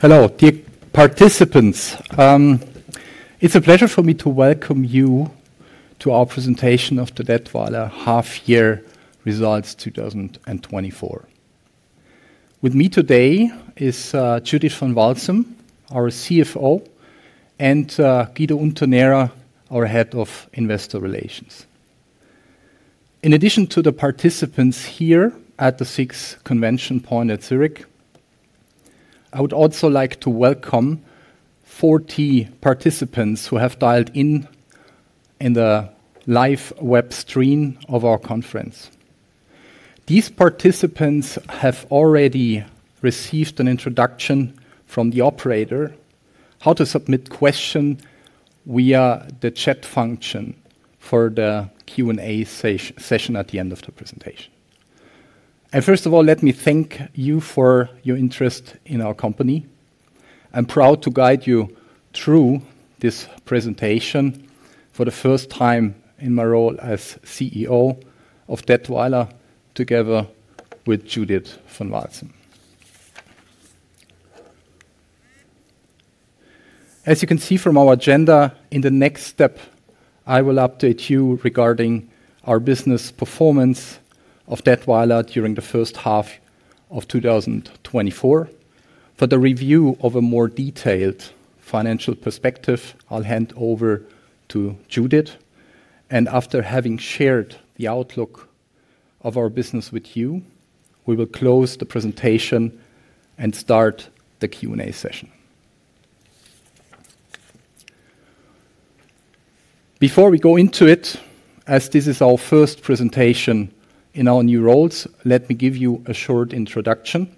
Hello, dear participants. It's a pleasure for me to welcome you to our presentation of the Dätwyler Half-Year Results 2024. With me today is Judith van Walsum, our CFO, and Guido Unternährer, our Head of Investor Relations. In addition to the participants here at the SIX ConventionPoint at Zurich, I would also like to welcome 40 participants who have dialed in in the live web stream of our conference. These participants have already received an introduction from the operator, how to submit questions via the chat function for the Q&A session at the end of the presentation. And first of all, let me thank you for your interest in our company. I'm proud to guide you through this presentation for the first time in my role as CEO of Dätwyler together with Judith van Walsum. As you can see from our agenda, in the next step, I will update you regarding our business performance of Dätwyler during the first half of 2024. For the review of a more detailed financial perspective, I'll hand over to Judith. After having shared the outlook of our business with you, we will close the presentation and start the Q&A session. Before we go into it, as this is our first presentation in our new roles, let me give you a short introduction.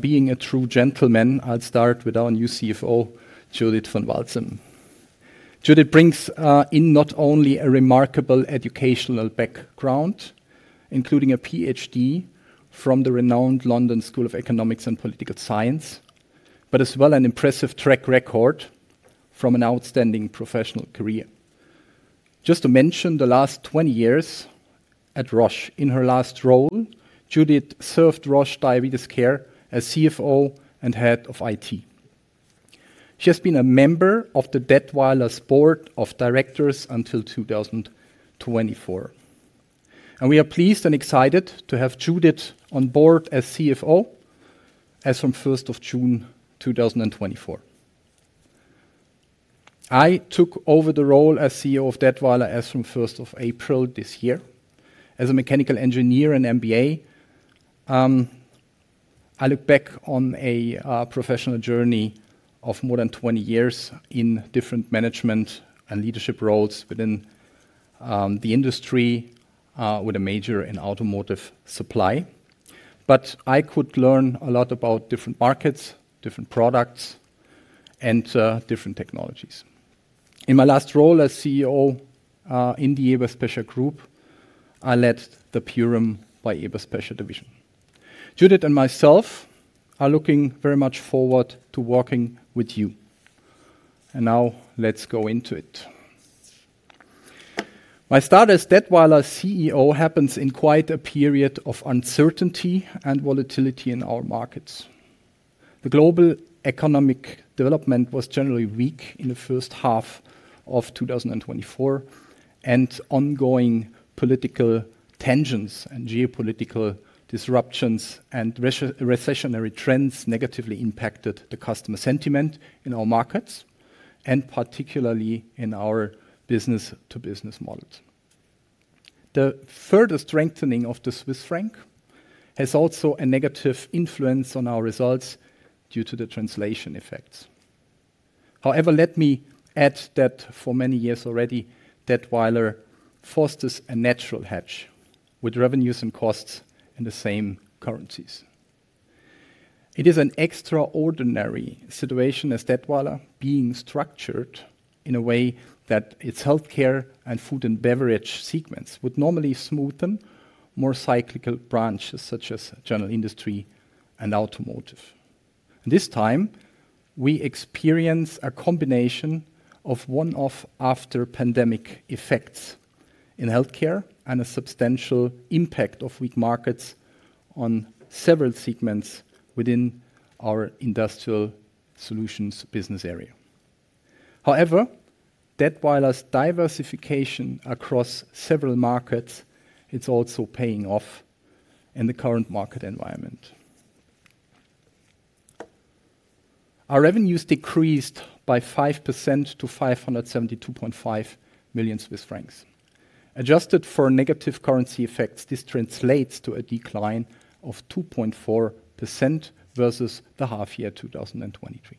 Being a true gentleman, I'll start with our new CFO, Judith van Walsum. Judith brings in not only a remarkable educational background, including a PhD from the renowned London School of Economics and Political Science, but as well an impressive track record from an outstanding professional career. Just to mention, the last 20 years at Roche, in her last role, Judith served Roche Diabetes Care as CFO and Head of IT. She has been a member of the Dätwyler’s Board of Directors until 2024. We are pleased and excited to have Judith on board as CFO as of 1st June 2024. I took over the role as CEO of Dätwyler as of 1st of April this year as a mechanical engineer, an MBA. I look back on a professional journey of more than 20 years in different management and leadership roles within the industry, with a major in automotive supply. But I could learn a lot about different markets, different products, and different technologies. In my last role as CEO in the Eberspächer Group, I led the Purem by Eberspächer division. Judith and myself are looking very much forward to working with you. Now let's go into it. My start as Dätwyler CEO happens in quite a period of uncertainty and volatility in our markets. The global economic development was generally weak in the first half of 2024, and ongoing political tensions and geopolitical disruptions and recessionary trends negatively impacted the customer sentiment in our markets, and particularly in our business-to-business models. The further strengthening of the Swiss franc has also a negative influence on our results due to the translation effects. However, let me add that for many years already, Dätwyler fosters a natural hedge with revenues and costs in the same currencies. It is an extraordinary situation as Dätwyler being structured in a way that its Healthcare and Food and Beverage segments would normally smoothen more cyclical branches such as General Industry and automotive. This time, we experience a combination of one-off after-pandemic effects in Healthcare and a substantial impact of weak markets on several segments within our Industrial Solutions business area. However, Dätwyler's diversification across several markets is also paying off in the current market environment. Our revenues decreased by 5% to 572.5 million Swiss francs. Adjusted for negative currency effects, this translates to a decline of 2.4% versus the half-year 2023.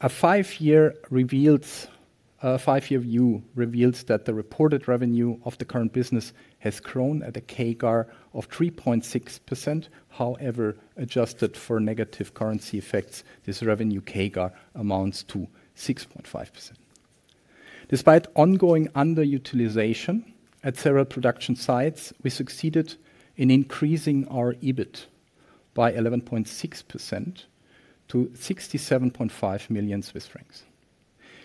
A five-year view reveals that the reported revenue of the current business has grown at a CAGR of 3.6%. However, adjusted for negative currency effects, this revenue CAGR amounts to 6.5%. Despite ongoing underutilization at several production sites, we succeeded in increasing our EBIT by 11.6% to 67.5 million Swiss francs.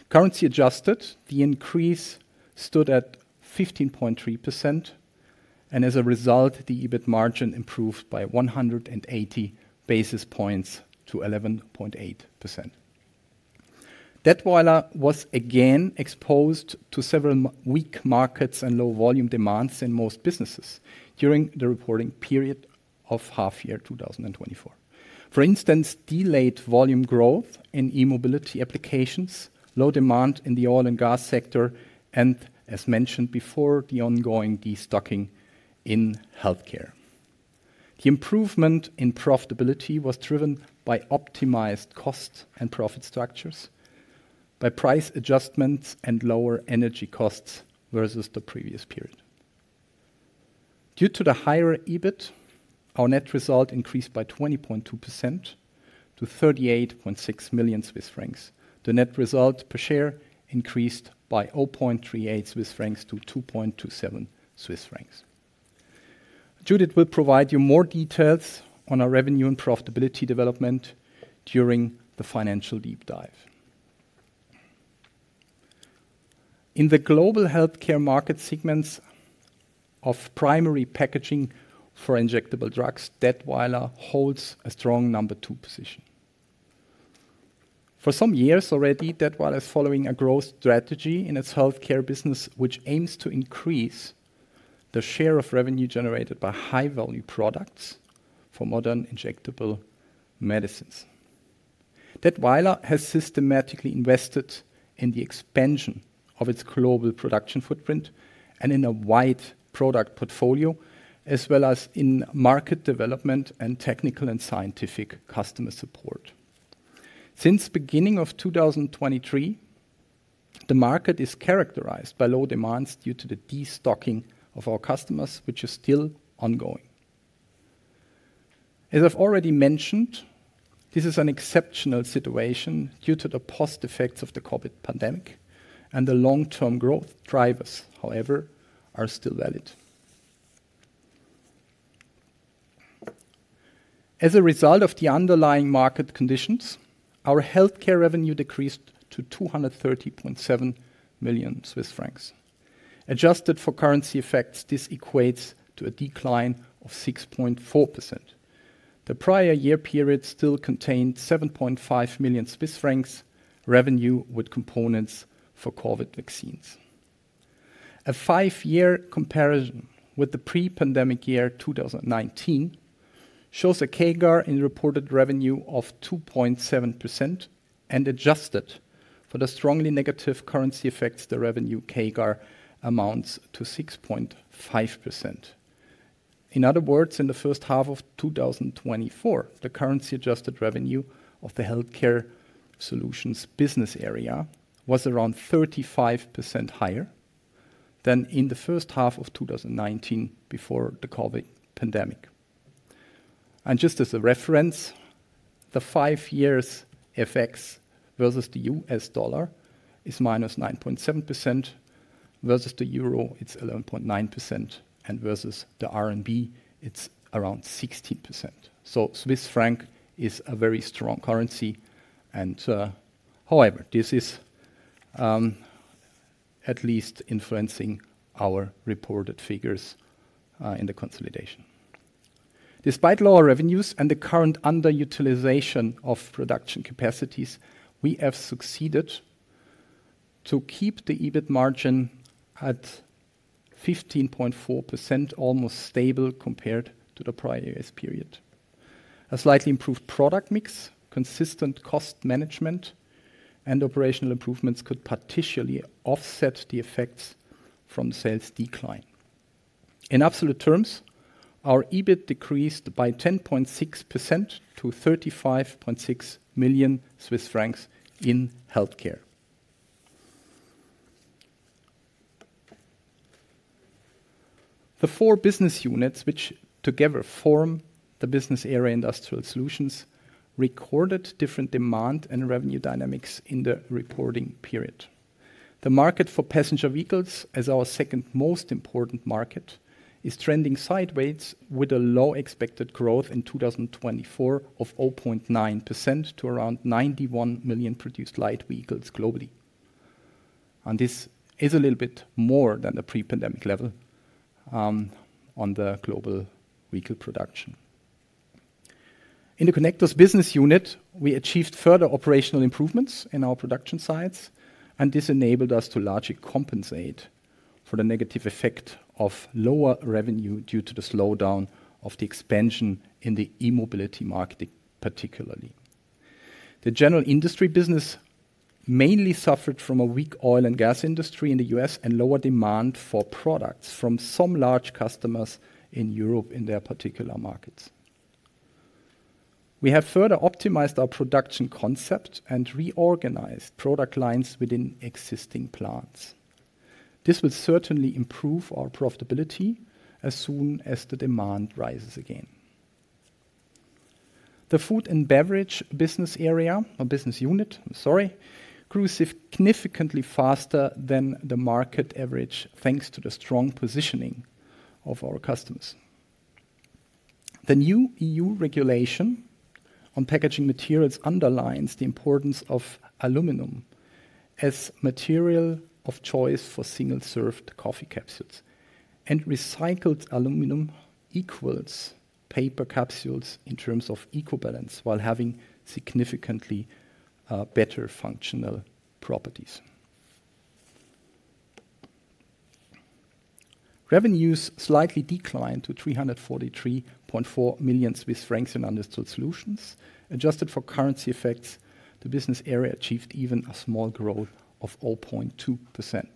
Currency adjusted, the increase stood at 15.3%. As a result, the EBIT margin improved by 180 basis points to 11.8%. Dätwyler was again exposed to several weak markets and low volume demands in most businesses during the reporting period of half-year 2024. For instance, delayed volume growth in e-mobility applications, low demand in the oil and gas sector, and as mentioned before, the ongoing destocking in Healthcare. The improvement in profitability was driven by optimized cost and profit structures, by price adjustments and lower energy costs versus the previous period. Due to the higher EBIT, our net result increased by 20.2% to 38.6 million Swiss francs. The net result per share increased by 0.38 Swiss francs to 2.27 Swiss francs. Judith will provide you more details on our revenue and profitability development during the financial deep dive. In the global Healthcare market segments of primary packaging for injectable drugs, Dätwyler holds a strong number two position. For some years already, Dätwyler is following a growth strategy in its Healthcare business, which aims to increase the share of revenue generated by high-value products for modern injectable medicines. Dätwyler has systematically invested in the expansion of its global production footprint and in a wide product portfolio, as well as in market development and technical and scientific customer support. Since the beginning of 2023, the market is characterized by low demands due to the destocking of our customers, which is still ongoing. As I've already mentioned, this is an exceptional situation due to the positive effects of the COVID pandemic and the long-term growth drivers, however, they are still valid. As a result of the underlying market conditions, our Healthcare revenue decreased to 230.7 million Swiss francs. Adjusted for currency effects, this equates to a decline of 6.4%. The prior year period still contained 7.5 million Swiss francs revenue with components for COVID vaccines. A five-year comparison with the pre-pandemic year 2019 shows a CAGR in reported revenue of 2.7%, and adjusted for the strongly negative currency effects, the revenue CAGR amounts to 6.5%. In other words, in the first half of 2024, the currency-adjusted revenue of the Healthcare Solutions business area was around 35% higher than in the first half of 2019 before the COVID pandemic. Just as a reference, the five-year effects versus the U.S. dollar is -9.7%. Versus the euro, it's 11.9%, and versus the RMB, it's around 16%. So Swiss franc is a very strong currency. However, this is at least influencing our reported figures in the consolidation. Despite lower revenues and the current underutilization of production capacities, we have succeeded to keep the EBIT margin at 15.4%, almost stable compared to the prior year's period. A slightly improved product mix, consistent cost management, and operational improvements could potentially offset the effects from sales decline. In absolute terms, our EBIT decreased by 10.6% to 35.6 million Swiss francs in Healthcare. The four business units, which together form the business area Industrial Solutions, recorded different demand and revenue dynamics in the reporting period. The market for passenger vehicles, as our second most important market, is trending sideways with a low expected growth in 2024 of 0.9% to around 91 million produced light vehicles globally. This is a little bit more than the pre-pandemic level on the global vehicle production. In the Connectors business unit, we achieved further operational improvements in our production sites, and this enabled us to largely compensate for the negative effect of lower revenue due to the slowdown of the expansion in the e-mobility market particularly. The General Industry business mainly suffered from a weak oil and gas industry in the U.S. and lower demand for products from some large customers in Europe in their particular markets. We have further optimized our production concept and reorganized product lines within existing plants. This will certainly improve our profitability as soon as the demand rises again. The Food and Beverage business area, or business unit, sorry, grew significantly faster than the market average thanks to the strong positioning of our customers. The new EU regulation on packaging materials underlines the importance of aluminum as material of choice for single-serve coffee capsules. Recycled aluminum equals paper capsules in terms of eco-balance while having significantly better functional properties. Revenues slightly declined to 343.4 million Swiss francs in Industrial Solutions. Adjusted for currency effects, the business area achieved even a small growth of 0.2%.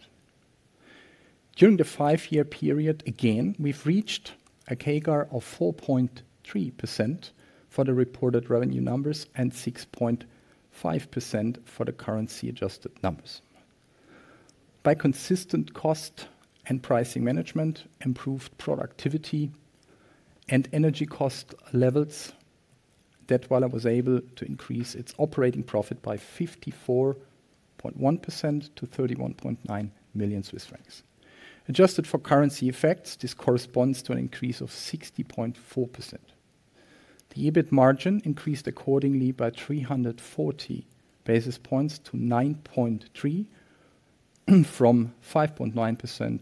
During the five-year period, again, we've reached a CAGR of 4.3% for the reported revenue numbers and 6.5% for the currency-adjusted numbers. By consistent cost and pricing management, improved productivity and energy cost levels, Dätwyler was able to increase its operating profit by 54.1% to 31.9 million Swiss francs. Adjusted for currency effects, this corresponds to an increase of 60.4%. The EBIT margin increased accordingly by 340 basis points to 9.3% from 5.9%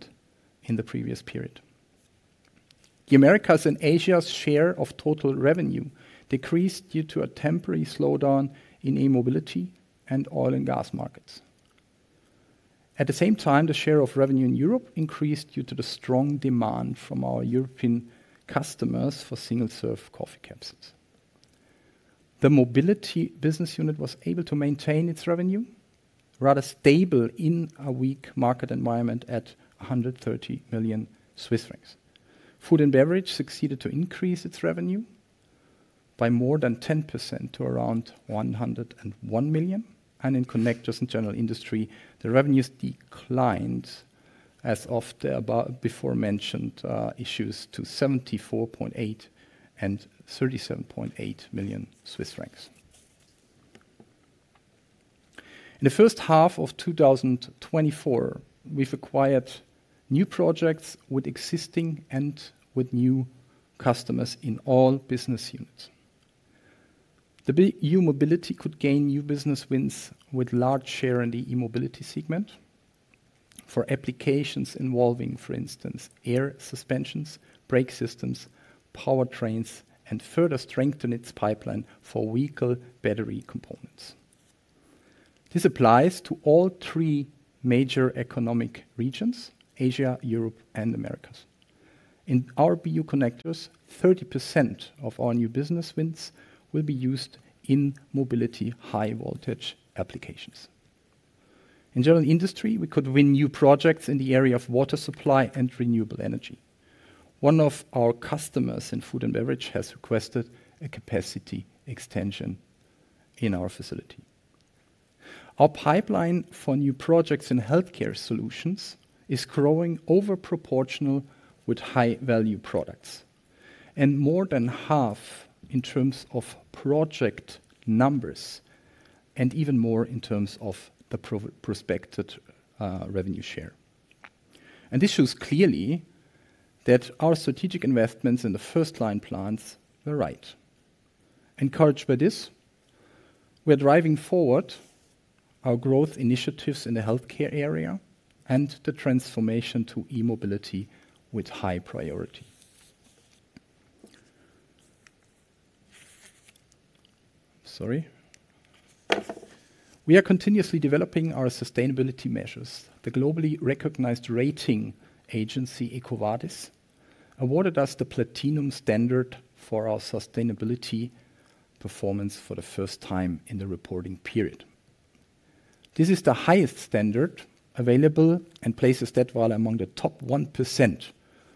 in the previous period. The Americas and Asia's share of total revenue decreased due to a temporary slowdown in e-mobility and oil and gas markets. At the same time, the share of revenue in Europe increased due to the strong demand from our European customers for single-serve coffee capsules. The Mobility business unit was able to maintain its revenue, rather stable in a weak market environment at 130 million Swiss francs. Food and Beverage succeeded to increase its revenue by more than 10% to around 101 million. And in Connectors and General Industry, the revenues declined as of the above before mentioned issues to 74.8 million and 37.8 million Swiss francs. In the first half of 2024, we've acquired new projects with existing and with new customers in all business units. The e-mobility could gain new business wins with large share in the e-Mobility segment for applications involving, for instance, air suspensions, brake systems, powertrains, and further strengthen its pipeline for vehicle battery components. This applies to all three major economic regions: Asia, Europe, and Americas. In our BU Connectors, 30% of our new business wins will be used in mobility high-voltage applications. In General Industry, we could win new projects in the area of water supply and renewable energy. One of our customers in Food and Beverage has requested a capacity extension in our facility. Our pipeline for new projects in Healthcare Solutions is growing overproportional with high-value products and more than half in terms of project numbers and even more in terms of the prospected revenue share. And this shows clearly that our strategic investments in the FirstLine plants were right. Encouraged by this, we're driving forward our growth initiatives in the Healthcare area and the transformation to e-mobility with high priority. Sorry. We are continuously developing our sustainability measures. The globally recognized rating agency EcoVadis awarded us the Platinum standard for our sustainability performance for the first time in the reporting period. This is the highest standard available and places Dätwyler among the top 1%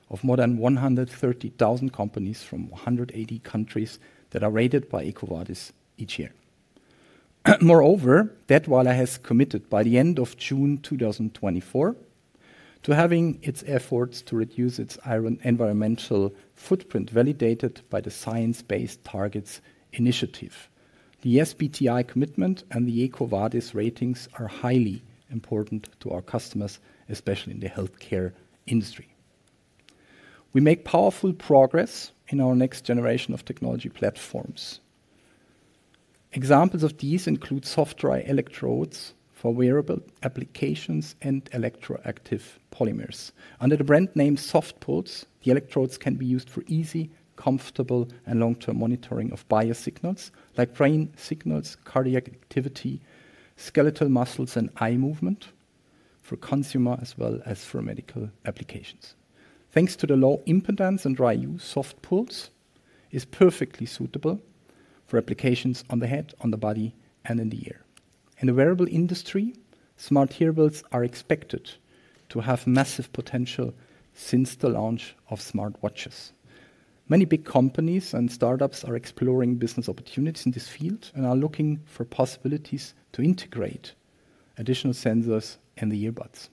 of more than 130,000 companies from 180 countries that are rated by EcoVadis each year. Moreover, Dätwyler has committed by the end of June 2024 to having its efforts to reduce its environmental footprint validated by the Science-Based Targets initiative. The SBTi commitment and the EcoVadis ratings are highly important to our customers, especially in the Healthcare industry. We make powerful progress in our next generation of technology platforms. Examples of these include soft dry electrodes for wearable applications and electroactive polymers. Under the brand name SoftPulse, the electrodes can be used for easy, comfortable, and long-term monitoring of biosignals like brain signals, cardiac activity, skeletal muscles, and eye movement for consumer as well as for medical applications. Thanks to the low impedance and dry use, SoftPulse is perfectly suitable for applications on the head, on the body, and in the ear. In the wearable industry, smart earbuds are expected to have massive potential since the launch of smartwatches. Many big companies and startups are exploring business opportunities in this field and are looking for possibilities to integrate additional sensors in the earbuds.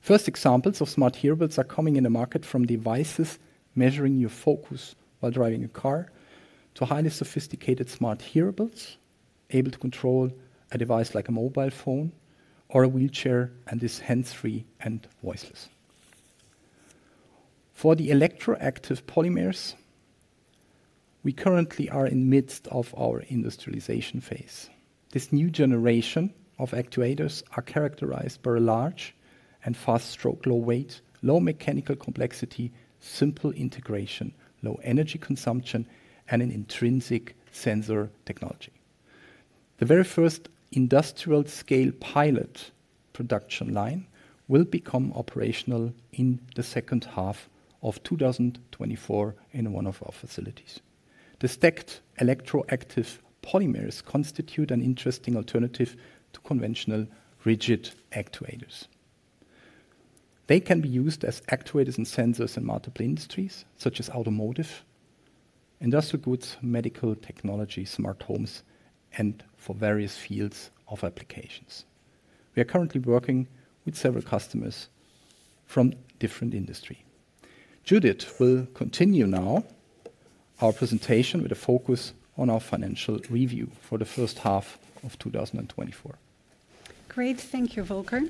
First examples of smart earbuds are coming in the market from devices measuring your focus while driving a car to highly sophisticated smart earbuds able to control a device like a mobile phone or a wheelchair and is hands-free and voiceless. For the electroactive polymers, we currently are in the midst of our industrialization phase. This new generation of actuators is characterized by a large and fast stroke, low weight, low mechanical complexity, simple integration, low energy consumption, and an intrinsic sensor technology. The very first industrial-scale pilot production line will become operational in the second half of 2024 in one of our facilities. The stacked electroactive polymers constitute an interesting alternative to conventional rigid actuators. They can be used as actuators and sensors in multiple industries such as automotive, industrial goods, medical technology, smart homes, and for various fields of applications. We are currently working with several customers from different industries. Judith will continue now our presentation with a focus on our financial review for the first half of 2024. Great. Thank you, Volker.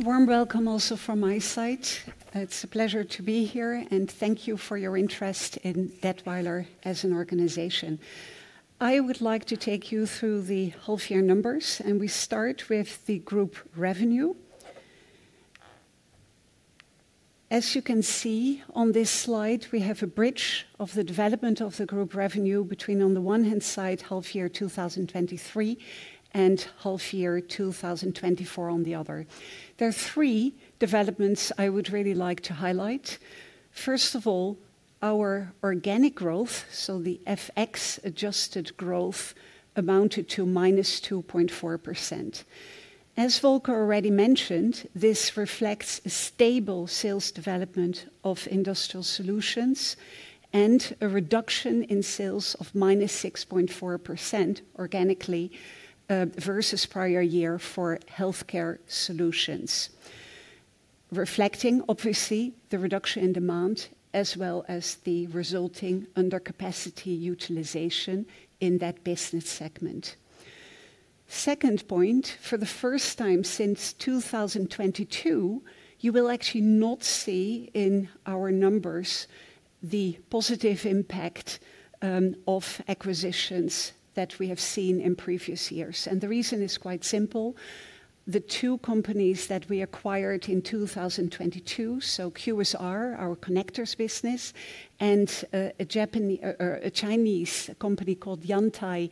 Warm welcome also from my side. It's a pleasure to be here, and thank you for your interest in Dätwyler as an organization. I would like to take you through the whole-year numbers, and we start with the group revenue. As you can see on this slide, we have a bridge of the development of the group revenue between on the one hand side whole-year 2023 and whole-year 2024 on the other. There are three developments I would really like to highlight. First of all, our organic growth, so the FX-adjusted growth amounted to -2.4%. As Volker already mentioned, this reflects a stable sales development of Industrial Solutions and a reduction in sales of -6.4% organically versus prior year for Healthcare Solutions, reflecting obviously the reduction in demand as well as the resulting under-capacity utilization in that business segment. Second point, for the first time since 2022, you will actually not see in our numbers the positive impact of acquisitions that we have seen in previous years. The reason is quite simple. The two companies that we acquired in 2022, so QSR, our Connectors business, and a Chinese company called Yantai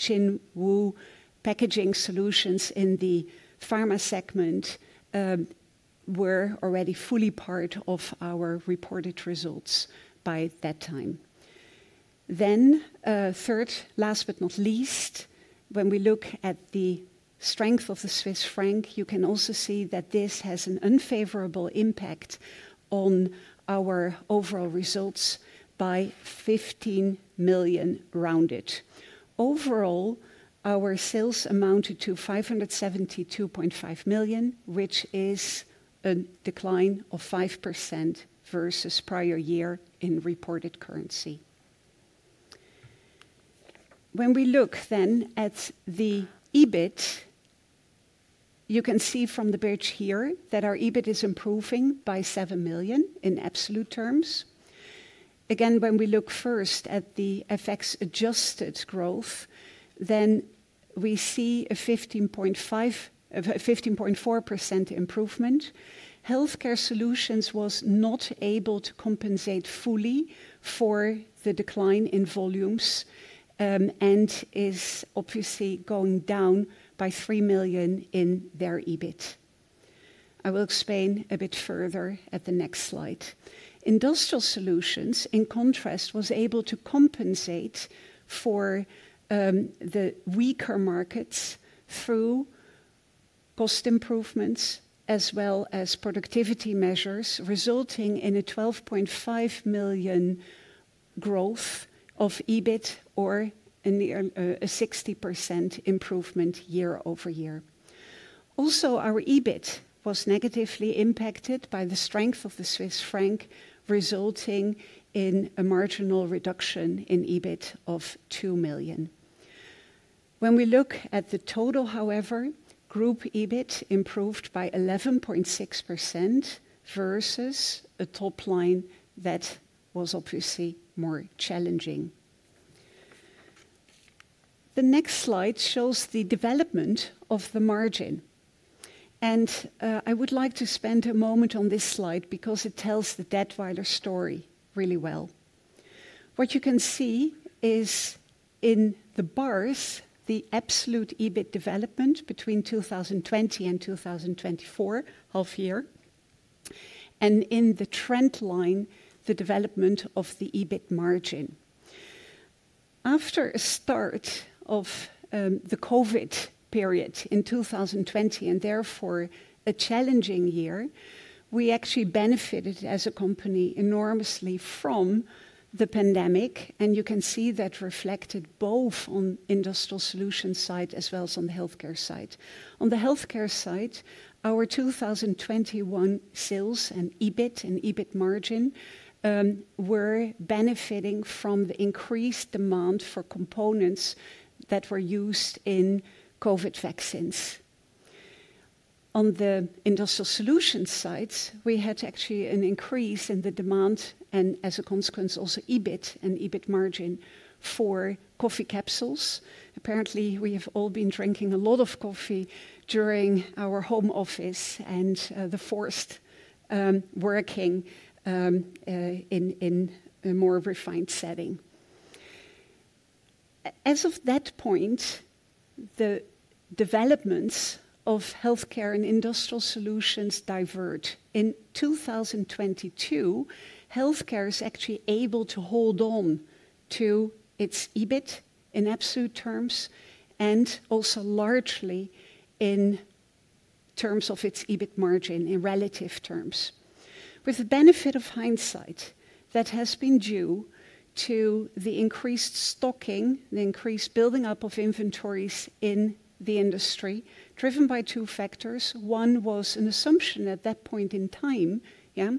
Xinhui Packaging Solutions in the pharma segment were already fully part of our reported results by that time. Then, third, last but not least, when we look at the strength of the Swiss franc, you can also see that this has an unfavorable impact on our overall results by 15 million rounded. Overall, our sales amounted to 572.5 million, which is a decline of 5% versus prior year in reported currency. When we look then at the EBIT, you can see from the bridge here that our EBIT is improving by 7 million in absolute terms. Again, when we look first at the FX-adjusted growth, then we see a 15.4% improvement. Healthcare solutions was not able to compensate fully for the decline in volumes and is obviously going down by 3 million in their EBIT. I will explain a bit further at the next slide. Industrial solutions, in contrast, were able to compensate for the weaker markets through cost improvements as well as productivity measures, resulting in a 12.5 million growth of EBIT or a 60% improvement year-over-year. Also, our EBIT was negatively impacted by the strength of the Swiss franc, resulting in a marginal reduction in EBIT of 2 million. When we look at the total, however, group EBIT improved by 11.6% versus a top line that was obviously more challenging. The next slide shows the development of the margin. I would like to spend a moment on this slide because it tells the Dätwyler story really well. What you can see is in the bars, the absolute EBIT development between 2020 and 2024, half year, and in the trend line, the development of the EBIT margin. After a start of the COVID period in 2020 and therefore a challenging year, we actually benefited as a company enormously from the pandemic. You can see that reflected both on the industrial solution side as well as on the Healthcare side. On the Healthcare side, our 2021 sales and EBIT and EBIT margin were benefiting from the increased demand for components that were used in COVID vaccines. On the industrial solution side, we had actually an increase in the demand and as a consequence, also EBIT and EBIT margin for coffee capsules. Apparently, we have all been drinking a lot of coffee during our home office and the forest working in a more refined setting. As of that point, the developments of Healthcare and Industrial Solutions diverge. In 2022, Healthcare is actually able to hold on to its EBIT in absolute terms and also largely in terms of its EBIT margin in relative terms. With the benefit of hindsight, that has been due to the increased stocking, the increased building up of inventories in the industry driven by two factors. One was an assumption at that point in time, yeah,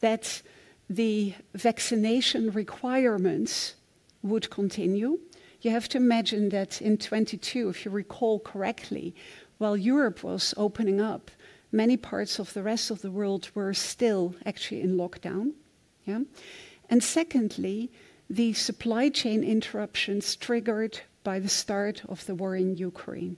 that the vaccination requirements would continue. You have to imagine that in 2022, if you recall correctly, while Europe was opening up, many parts of the rest of the world were still actually in lockdown. Yeah. And secondly, the supply chain interruptions triggered by the start of the war in Ukraine.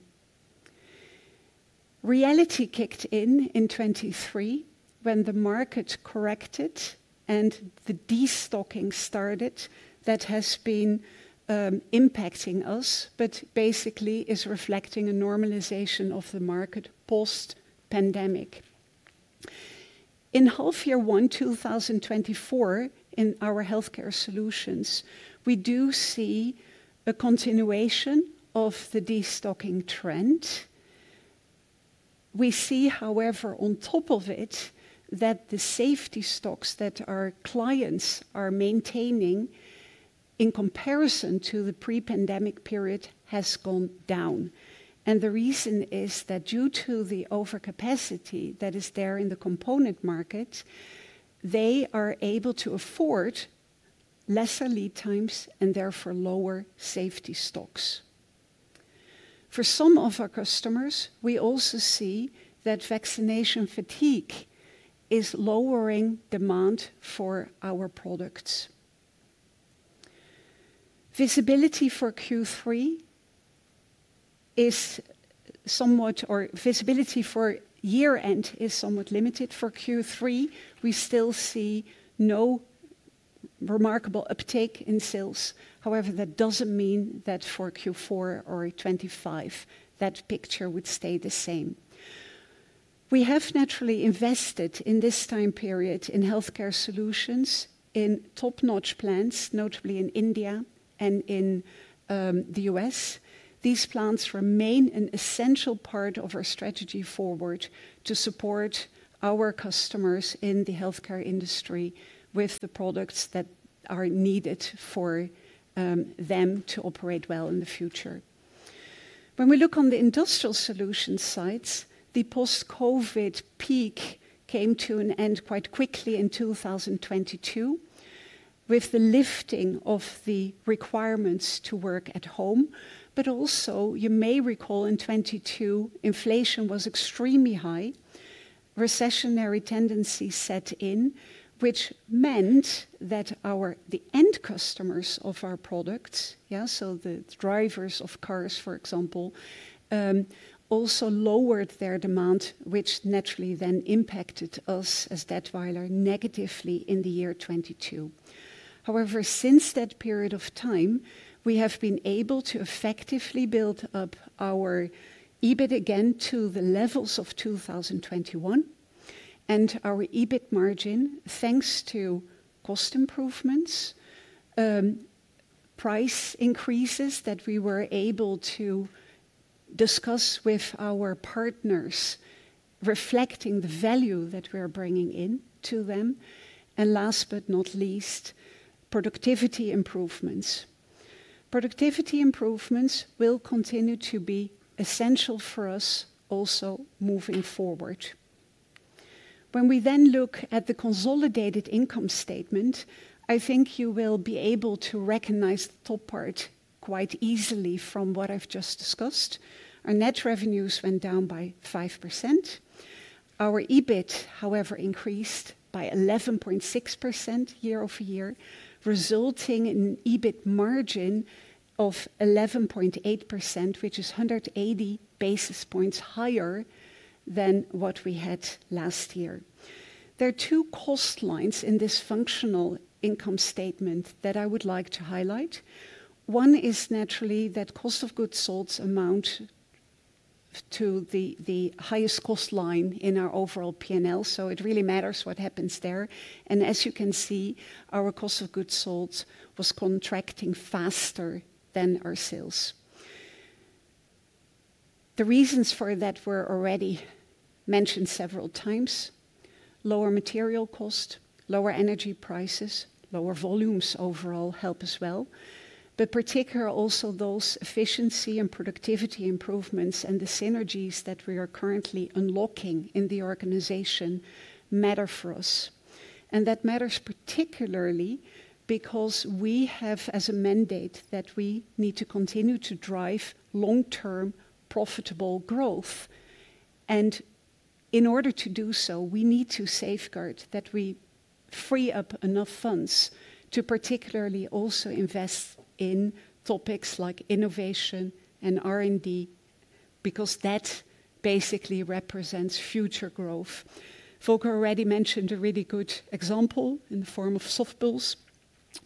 Reality kicked in in 2023 when the market corrected and the destocking started that has been impacting us, but basically is reflecting a normalization of the market post-pandemic. In half year one, 2024, in our Healthcare Solutions, we do see a continuation of the destocking trend. We see, however, on top of it, that the safety stocks that our clients are maintaining in comparison to the pre-pandemic period has gone down. The reason is that due to the overcapacity that is there in the component market, they are able to afford lesser lead times and therefore lower safety stocks. For some of our customers, we also see that vaccination fatigue is lowering demand for our products. Visibility for Q3 is somewhat, or visibility for year-end is somewhat limited. For Q3, we still see no remarkable uptake in sales. However, that doesn't mean that for Q4 or 2025, that picture would stay the same. We have naturally invested in this time period in Healthcare Solutions in top-notch plants, notably in India and in the U.S. These plants remain an essential part of our strategy forward to support our customers in the Healthcare industry with the products that are needed for them to operate well in the future. When we look on the industrial solution sides, the post-COVID peak came to an end quite quickly in 2022 with the lifting of the requirements to work at home. But also, you may recall in 2022, inflation was extremely high, recessionary tendency set in, which meant that the end customers of our products, yeah, so the drivers of cars, for example, also lowered their demand, which naturally then impacted us as Dätwyler negatively in the year 2022. However, since that period of time, we have been able to effectively build up our EBIT again to the levels of 2021 and our EBIT margin, thanks to cost improvements, price increases that we were able to discuss with our partners, reflecting the value that we are bringing in to them. And last but not least, productivity improvements. Productivity improvements will continue to be essential for us also moving forward. When we then look at the consolidated income statement, I think you will be able to recognize the top part quite easily from what I've just discussed. Our net revenues went down by 5%. Our EBIT, however, increased by 11.6% year-over-year, resulting in an EBIT margin of 11.8%, which is 180 basis points higher than what we had last year. There are two cost lines in this functional income statement that I would like to highlight. One is naturally that cost of goods sold amount to the highest cost line in our overall P&L, so it really matters what happens there. And as you can see, our cost of goods sold was contracting faster than our sales. The reasons for that were already mentioned several times. Lower material cost, lower energy prices, lower volumes overall help as well. But particularly also those efficiency and productivity improvements and the synergies that we are currently unlocking in the organization matter for us. And that matters particularly because we have as a mandate that we need to continue to drive long-term profitable growth. And in order to do so, we need to safeguard that we free up enough funds to particularly also invest in topics like innovation and R&D because that basically represents future growth. Volker already mentioned a really good example in the form of SoftPulse,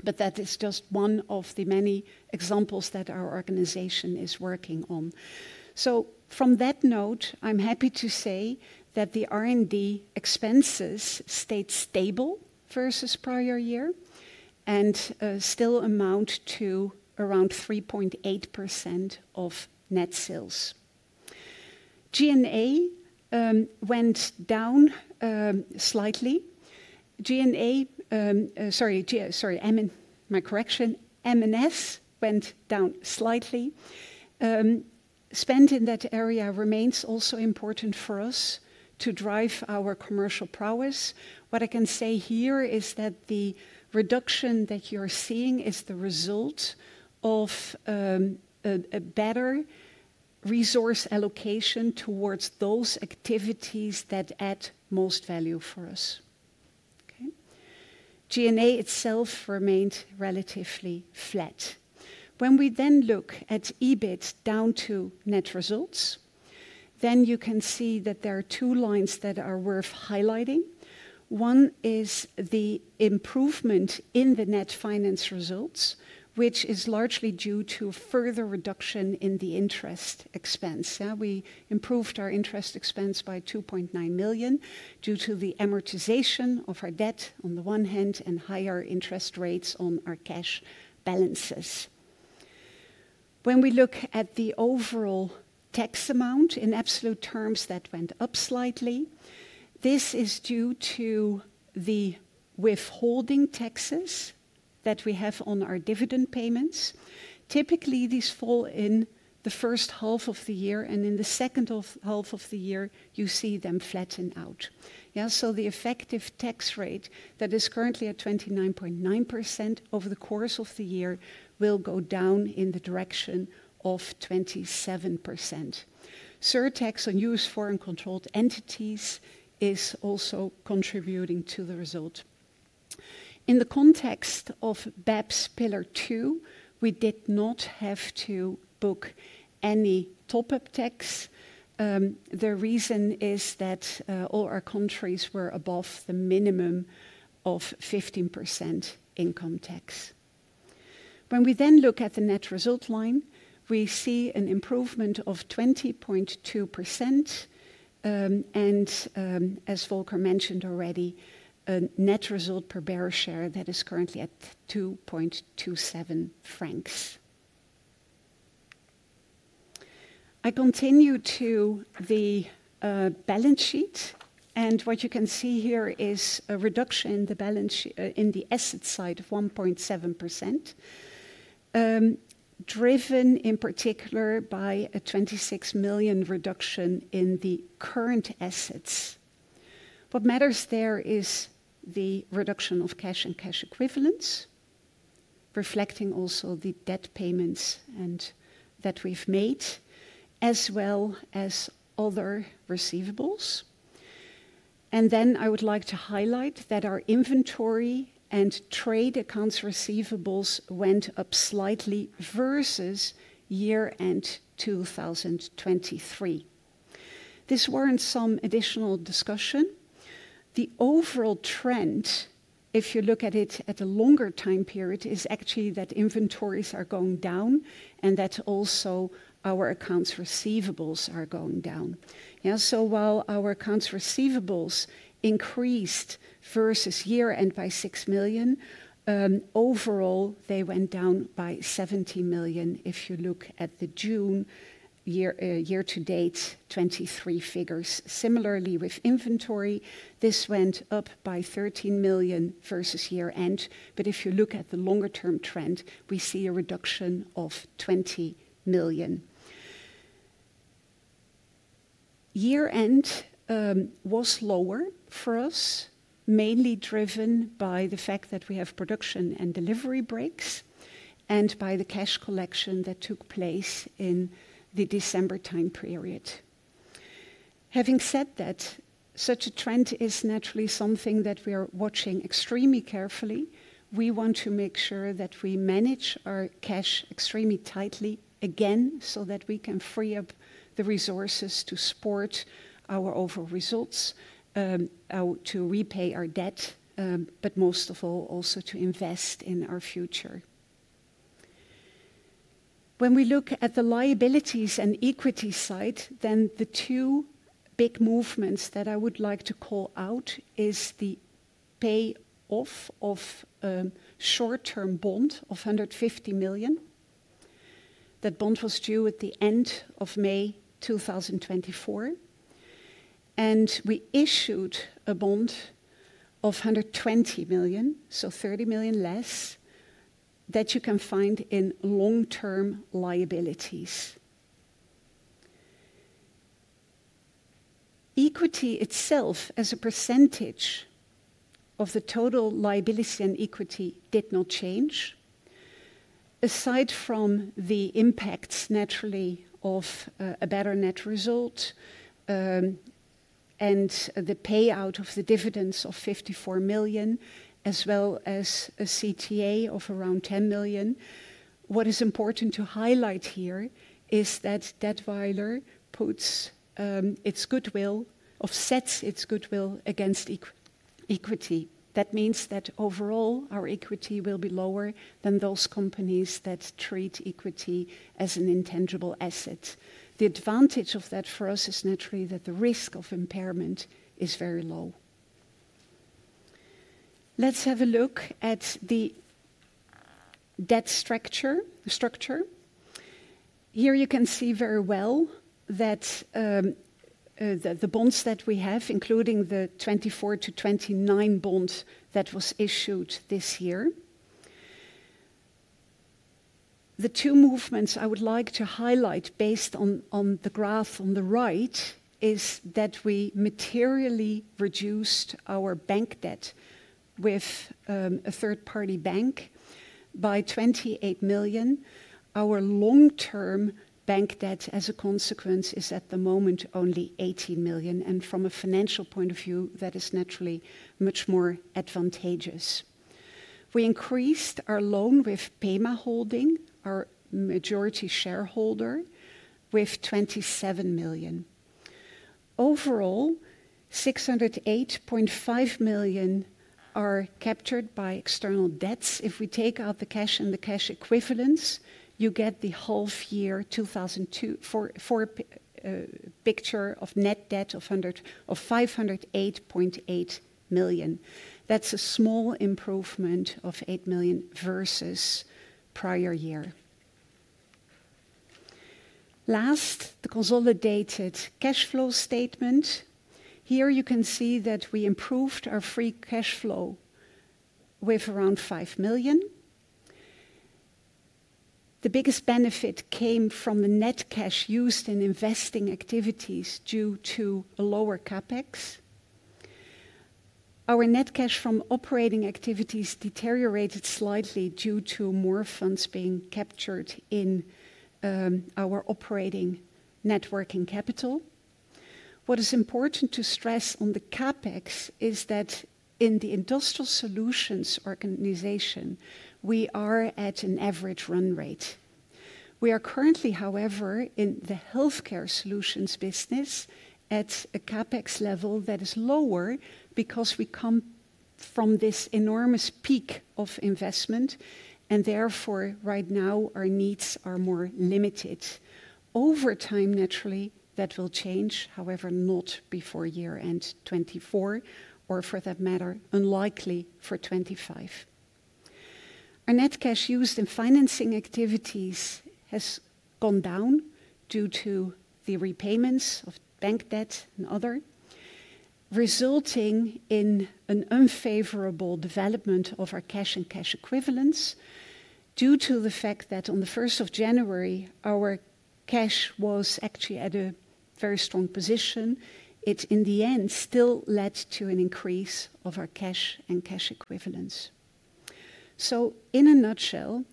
but that is just one of the many examples that our organization is working on. So from that note, I'm happy to say that the R&D expenses stayed stable versus prior year and still amount to around 3.8% of net sales. G&A went down slightly. G&A, sorry, sorry, my correction, M&S went down slightly. Spend in that area remains also important for us to drive our commercial prowess. What I can say here is that the reduction that you're seeing is the result of a better resource allocation towards those activities that add most value for us. Okay. G&A itself remained relatively flat. When we then look at EBIT down to net results, then you can see that there are two lines that are worth highlighting. One is the improvement in the net finance results, which is largely due to further reduction in the interest expense. We improved our interest expense by 2.9 million due to the amortization of our debt on the one hand and higher interest rates on our cash balances. When we look at the overall tax amount in absolute terms, that went up slightly. This is due to the withholding taxes that we have on our dividend payments. Typically, these fall in the first half of the year, and in the second half of the year, you see them flatten out. Yeah. So the effective tax rate that is currently at 29.9% over the course of the year will go down in the direction of 27%. Surtax on U.S. foreign-controlled entities is also contributing to the result. In the context of BEPS Pillar Two, we did not have to book any top-up tax. The reason is that all our countries were above the minimum of 15% income tax. When we then look at the net result line, we see an improvement of 20.2%. And as Volker mentioned already, a net result per bearer share that is currently at 2.27 francs. I continue to the balance sheet, and what you can see here is a reduction in the balance sheet in the asset side of 1.7%, driven in particular by a 26 million reduction in the current assets. What matters there is the reduction of cash and cash equivalents, reflecting also the debt payments that we've made, as well as other receivables. And then I would like to highlight that our inventory and trade accounts receivables went up slightly versus year-end 2023. This warrants some additional discussion. The overall trend, if you look at it at a longer time period, is actually that inventories are going down and that also our accounts receivables are going down. Yeah. So while our accounts receivables increased versus year-end by 6 million, overall they went down by 17 million if you look at the June year-to-date 2023 figures. Similarly, with inventory, this went up by 13 million versus year-end. But if you look at the longer-term trend, we see a reduction of 20 million. Year-end was lower for us, mainly driven by the fact that we have production and delivery breaks and by the cash collection that took place in the December time period. Having said that, such a trend is naturally something that we are watching extremely carefully. We want to make sure that we manage our cash extremely tightly again so that we can free up the resources to support our overall results, to repay our debt, but most of all also to invest in our future. When we look at the liabilities and equity side, then the two big movements that I would like to call out is the payoff of short-term bond of 150 million. That bond was due at the end of May 2024, and we issued a bond of 120 million, so 30 million less that you can find in long-term liabilities. Equity itself as a percentage of the total liability and equity did not change, aside from the impacts naturally of a better net result and the payout of the dividends of 54 million, as well as a CTA of around 10 million. What is important to highlight here is that Dätwyler puts its goodwill, offsets its goodwill against equity. That means that overall our equity will be lower than those companies that treat equity as an intangible asset. The advantage of that for us is naturally that the risk of impairment is very low. Let's have a look at the debt structure. Here you can see very well that the bonds that we have, including the 2024-2029 bonds that was issued this year. The two movements I would like to highlight based on the graph on the right is that we materially reduced our bank debt with a third-party bank by 28 million. Our long-term bank debt as a consequence is at the moment only 18 million. And from a financial point of view, that is naturally much more advantageous. We increased our loan with PEMA Holding, our majority shareholder, with 27 million. Overall, 608.5 million are captured by external debts. If we take out the cash and the cash equivalents, you get the whole year 2023 for a picture of net debt of 508.8 million. That's a small improvement of 8 million versus prior year. Last, the consolidated cash flow statement. Here you can see that we improved our free cash flow with around 5 million. The biggest benefit came from the net cash used in investing activities due to a lower CapEx. Our net cash from operating activities deteriorated slightly due to more funds being captured in our operating net working capital. What is important to stress on the CapEx is that in the Industrial Solutions organization, we are at an average run rate. We are currently, however, in the Healthcare Solutions business at a CapEx level that is lower because we come from this enormous peak of investment, and therefore right now our needs are more limited. Over time, naturally, that will change, however, not before year-end 2024 or for that matter, unlikely for 2025. Our net cash used in financing activities has gone down due to the repayments of bank debt and other, resulting in an unfavorable development of our cash and cash equivalents due to the fact that on the 1st of January, our cash was actually at a very strong position. It in the end still led to an increase of our cash and cash equivalents. So in a nutshell,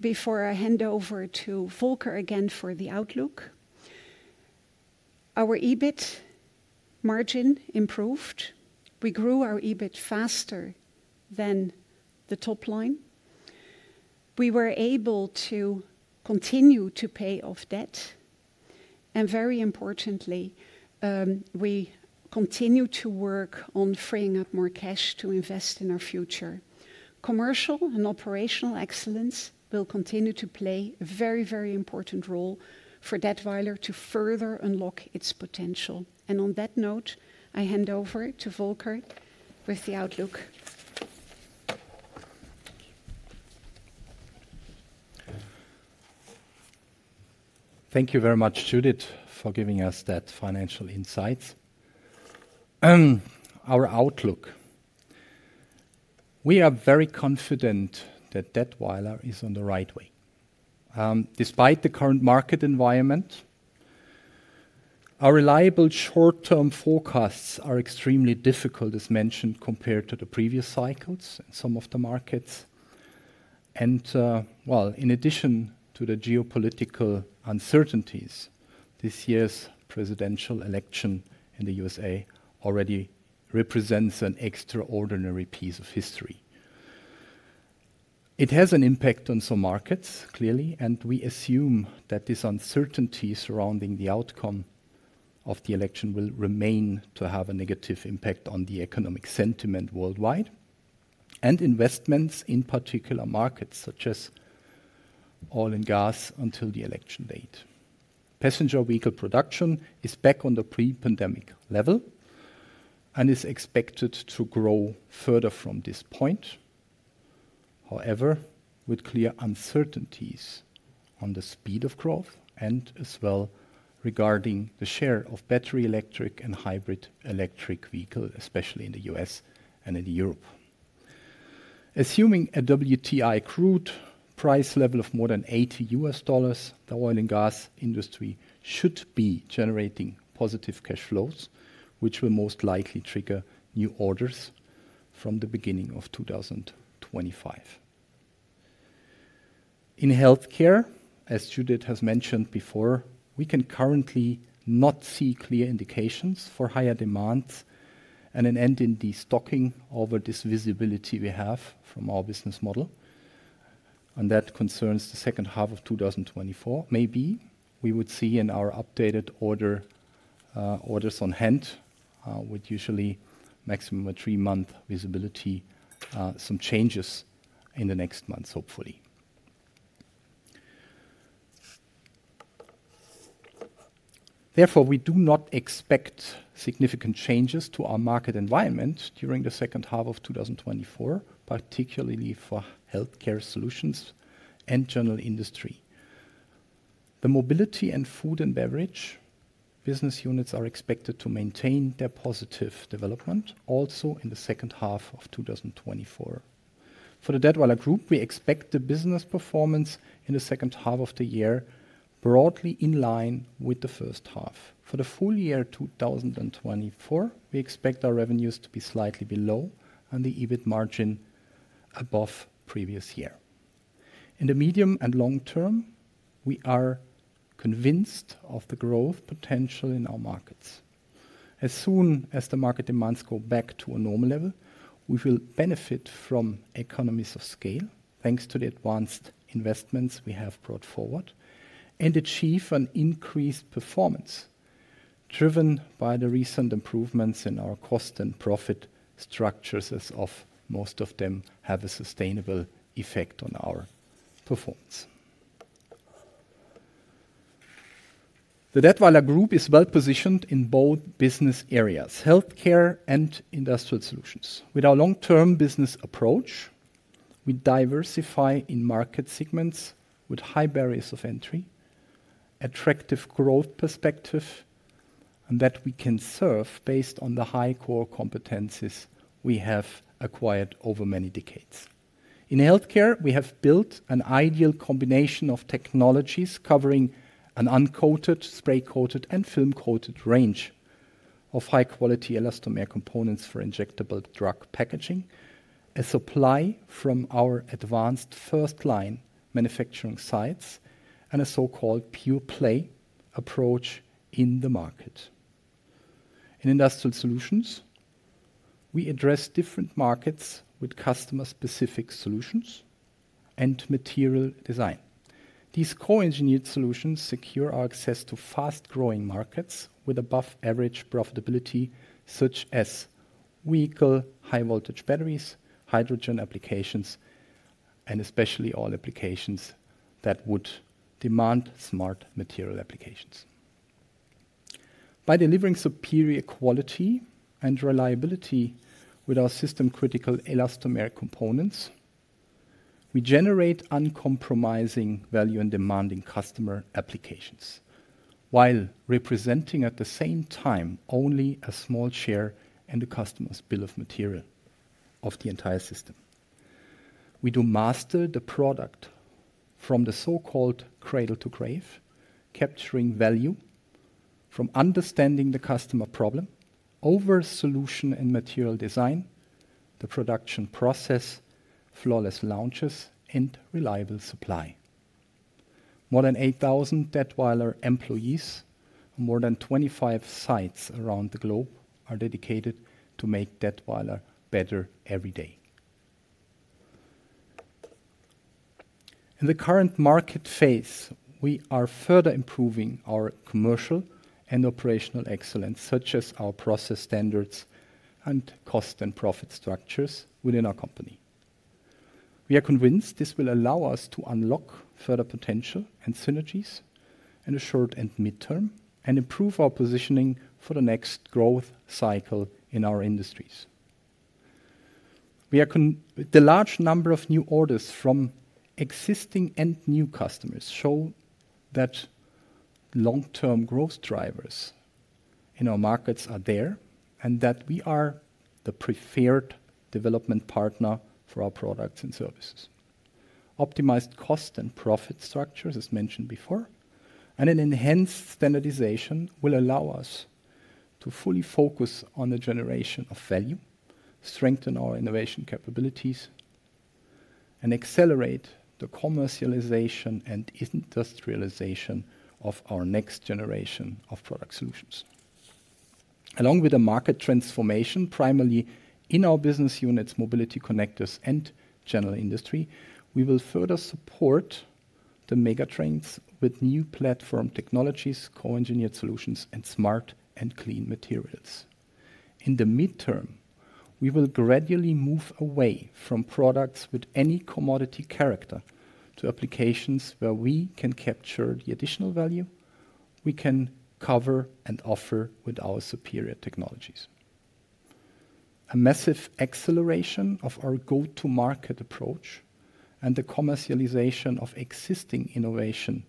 before I hand over to Volker again for the outlook, our EBIT margin improved. We grew our EBIT faster than the top line. We were able to continue to pay off debt. Very importantly, we continue to work on freeing up more cash to invest in our future. Commercial and operational excellence will continue to play a very, very important role for Dätwyler to further unlock its potential. And on that note, I hand over to Volker with the outlook. Thank you very much, Judith, for giving us that financial insight. Our outlook. We are very confident that Dätwyler is on the right way. Despite the current market environment, our reliable short-term forecasts are extremely difficult, as mentioned, compared to the previous cycles in some of the markets. And well, in addition to the geopolitical uncertainties, this year's presidential election in the U.S.A. already represents an extraordinary piece of history. It has an impact on some markets, clearly, and we assume that this uncertainty surrounding the outcome of the election will remain to have a negative impact on the economic sentiment worldwide and investments in particular markets such as oil and gas until the election date. Passenger vehicle production is back on the pre-pandemic level and is expected to grow further from this point, however, with clear uncertainties on the speed of growth and as well regarding the share of battery electric and hybrid electric vehicles, especially in the U.S. and in Europe. Assuming a WTI crude price level of more than $80, the oil and gas industry should be generating positive cash flows, which will most likely trigger new orders from the beginning of 2025. In Healthcare, as Judith has mentioned before, we can currently not see clear indications for higher demands and an end in destocking over this visibility we have from our business model. That concerns the second half of 2024. Maybe we would see in our updated orders on hand with usually maximum a three-month visibility, some changes in the next months, hopefully. Therefore, we do not expect significant changes to our market environment during the second half of 2024, particularly for Healthcare Solutions and General Industry. The Mobility and Food and Beverage business units are expected to maintain their positive development also in the second half of 2024. For the Dätwyler Group, we expect the business performance in the second half of the year broadly in line with the first half. For the full year 2024, we expect our revenues to be slightly below and the EBIT margin above previous year. In the medium and long term, we are convinced of the growth potential in our markets. As soon as the market demands go back to a normal level, we will benefit from economies of scale thanks to the advanced investments we have brought forward and achieve an increased performance driven by the recent improvements in our cost and profit structures as of most of them have a sustainable effect on our performance. The Dätwyler Group is well positioned in both business areas, Healthcare and Industrial Solutions. With our long-term business approach, we diversify in market segments with high barriers of entry, attractive growth perspective, and that we can serve based on the high core competencies we have acquired over many decades. In Healthcare, we have built an ideal combination of technologies covering an uncoated, spray-coated, and film-coated range of high-quality elastomer components for injectable drug packaging, a supply from our advanced first-line manufacturing sites, and a so-called pure-play approach in the market. In Industrial Solutions, we address different markets with customer-specific solutions and material design. These co-engineered solutions secure our access to fast-growing markets with above-average profitability such as vehicle high-voltage batteries, hydrogen applications, and especially all applications that would demand smart material applications. By delivering superior quality and reliability with our system-critical elastomeric components, we generate uncompromising value and demanding customer applications while representing at the same time only a small share in the customer's bill of material of the entire system. We do master the product from the so-called cradle to grave, capturing value from understanding the customer problem over solution and material design, the production process, flawless launches, and reliable supply. More than 8,000 Dätwyler employees and more than 25 sites around the globe are dedicated to make Dätwyler better every day. In the current market phase, we are further improving our commercial and operational excellence such as our process standards and cost and profit structures within our company. We are convinced this will allow us to unlock further potential and synergies in the short and midterm and improve our positioning for the next growth cycle in our industries. The large number of new orders from existing and new customers show that long-term growth drivers in our markets are there and that we are the preferred development partner for our products and services. Optimized cost and profit structures, as mentioned before, and an enhanced standardization will allow us to fully focus on the generation of value, strengthen our innovation capabilities, and accelerate the commercialization and industrialization of our next generation of product solutions. Along with the market transformation, primarily in our business units, Mobility, Connectors, and General Industry, we will further support the megatrends with new platform technologies, co-engineered solutions, and smart and clean materials. In the midterm, we will gradually move away from products with any commodity character to applications where we can capture the additional value we can cover and offer with our superior technologies. A massive acceleration of our go-to-market approach and the commercialization of existing innovation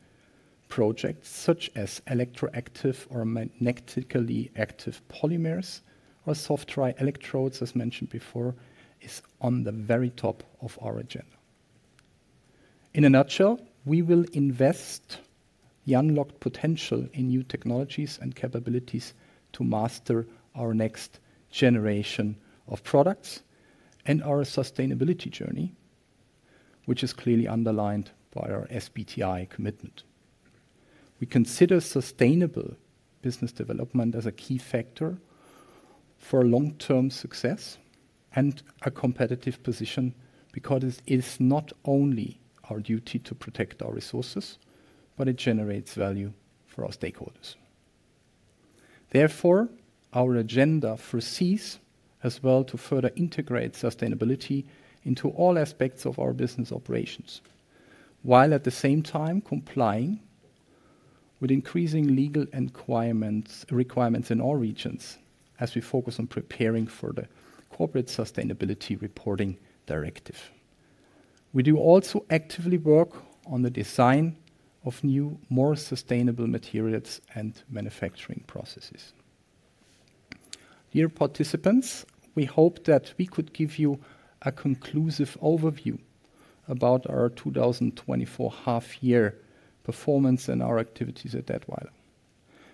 projects such as electroactive or magnetically active polymers or soft dry electrodes, as mentioned before, is on the very top of our agenda. In a nutshell, we will invest the unlocked potential in new technologies and capabilities to master our next generation of products and our sustainability journey, which is clearly underlined by our SBTi commitment. We consider sustainable business development as a key factor for long-term success and a competitive position because it is not only our duty to protect our resources, but it generates value for our stakeholders. Therefore, our agenda foresees as well to further integrate sustainability into all aspects of our business operations, while at the same time complying with increasing legal requirements in all regions as we focus on preparing for the Corporate Sustainability Reporting Directive. We do also actively work on the design of new, more sustainable materials and manufacturing processes. Dear participants, we hope that we could give you a conclusive overview about our 2024 half-year performance and our activities at Dätwyler.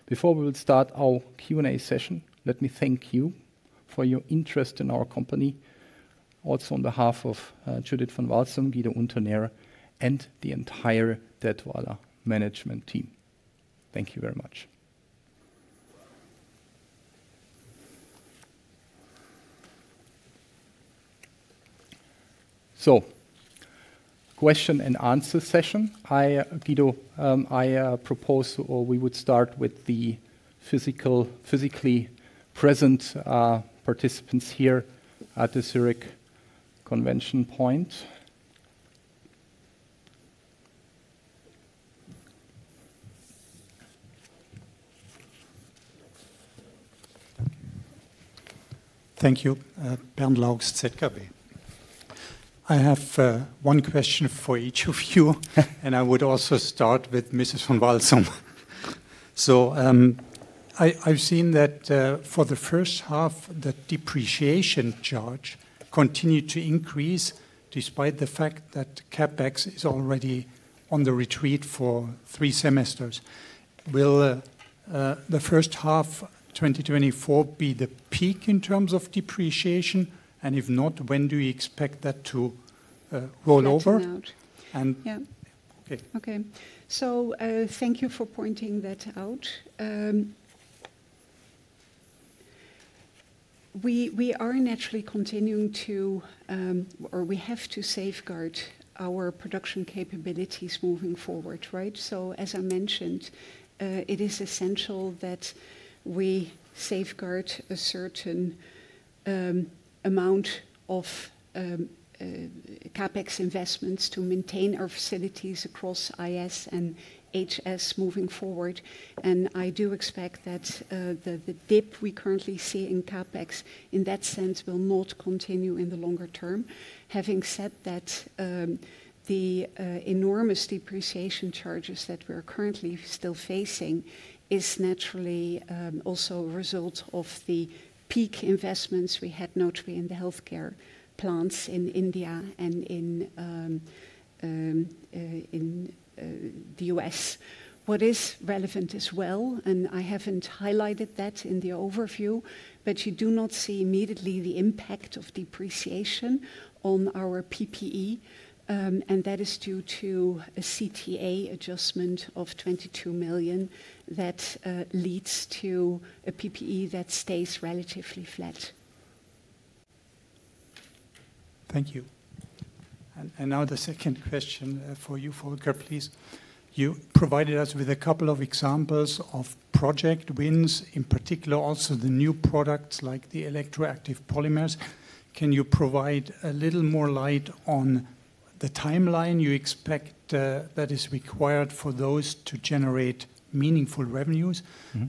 Before we will start our Q&A session, let me thank you for your interest in our company, also on behalf of Judith van Walsum, Guido Unternährer and the entire Dätwyler management team. Thank you very much. So, question and answer session. Guido, I propose we would start with the physically present participants here at the Zurich Convention Point. Thank you, Bernd Laux, ZKB. I have one question for each of you, and I would also start with Mrs. van Walsum. So, I've seen that for the first half, the depreciation charge continued to increase despite the fact that CapEx is already on the retreat for three semesters. Will the first half of 2024 be the peak in terms of depreciation? And if not, when do we expect that to roll over? Yeah. Okay. Okay. So, thank you for pointing that out. We are naturally continuing to, or we have to safeguard our production capabilities moving forward, right? So, as I mentioned, it is essential that we safeguard a certain amount of CapEx investments to maintain our facilities across IS and HS moving forward. And I do expect that the dip we currently see in CapEx in that sense will not continue in the longer term. Having said that, the enormous depreciation charges that we're currently still facing is naturally also a result of the peak investments we had notably in the Healthcare plants in India and in the U.S. What is relevant as well, and I haven't highlighted that in the overview, but you do not see immediately the impact of depreciation on our PPE, and that is due to a CTA adjustment of 22 million that leads to a PPE that stays relatively flat. Thank you. Now the second question for you, Volker, please. You provided us with a couple of examples of project wins, in particular also the new products like the electroactive polymers. Can you provide a little more light on the timeline you expect that is required for those to generate meaningful revenues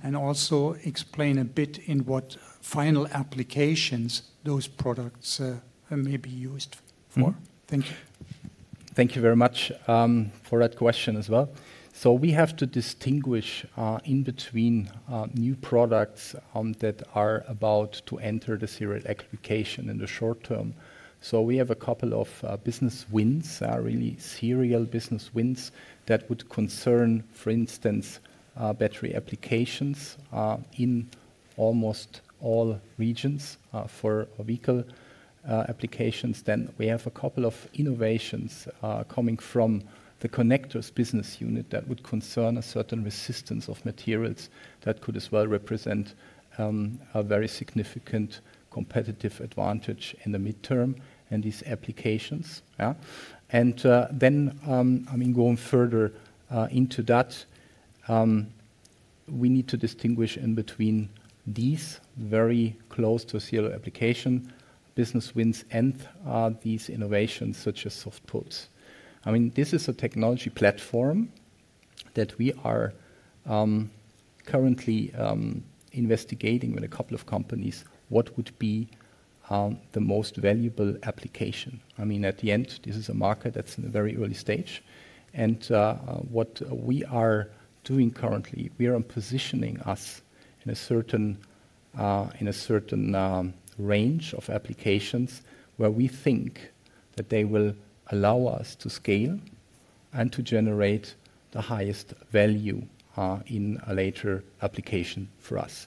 and also explain a bit in what final applications those products may be used for? Thank you. Thank you very much for that question as well. So, we have to distinguish in between new products that are about to enter the serial application in the short term. So, we have a couple of business wins, really serial business wins that would concern, for instance, battery applications in almost all regions for vehicle applications. Then we have a couple of innovations coming from the Connectors business unit that would concern a certain resistance of materials that could as well represent a very significant competitive advantage in the midterm and these applications. And then, I mean, going further into that, we need to distinguish in between these very close to serial application business wins and these innovations such as SoftPulse. I mean, this is a technology platform that we are currently investigating with a couple of companies what would be the most valuable application. I mean, at the end, this is a market that's in a very early stage. And what we are doing currently, we are positioning us in a certain range of applications where we think that they will allow us to scale and to generate the highest value in a later application for us.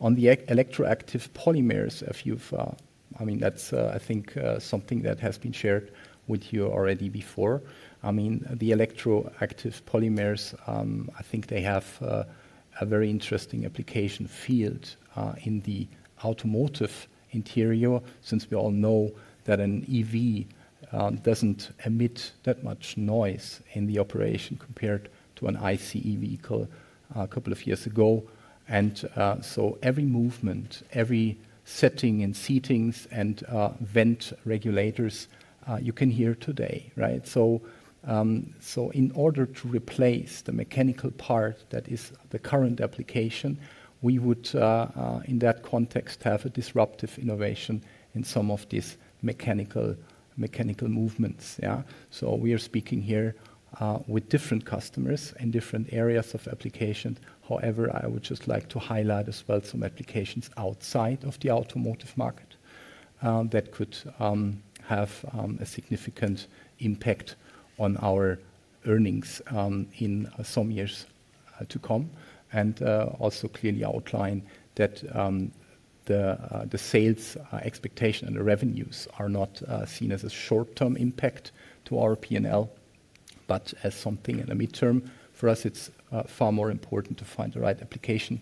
On the electroactive polymers, if you've, I mean, that's, I think, something that has been shared with you already before. I mean, the electroactive polymers, I think they have a very interesting application field in the automotive interior since we all know that an EV doesn't emit that much noise in the operation compared to an ICE vehicle a couple of years ago. And so, every movement, every setting and seatings and vent regulators, you can hear today, right? So, in order to replace the mechanical part that is the current application, we would, in that context, have a disruptive innovation in some of these mechanical movements. So, we are speaking here with different customers and different areas of application. However, I would just like to highlight as well some applications outside of the automotive market that could have a significant impact on our earnings in some years to come. And also clearly outline that the sales expectation and the revenues are not seen as a short-term impact to our P&L, but as something in the midterm. For us, it's far more important to find the right application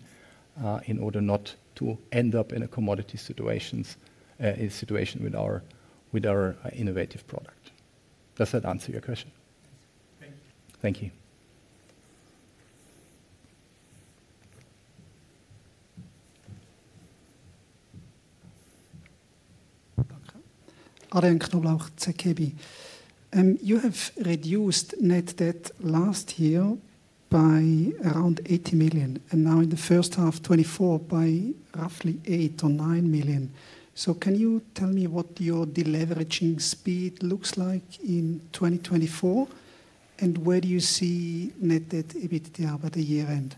in order not to end up in a commodity situation with our innovative product. Does that answer your question? Thank you. Thank you. Adrian Knoblauch, ZKB. You have reduced net debt last year by around 80 million, and now in the first half 2024, by roughly 8 million or 9 million. So, can you tell me what your deleveraging speed looks like in 2024, and where do you see net debt EBITDA by the year end?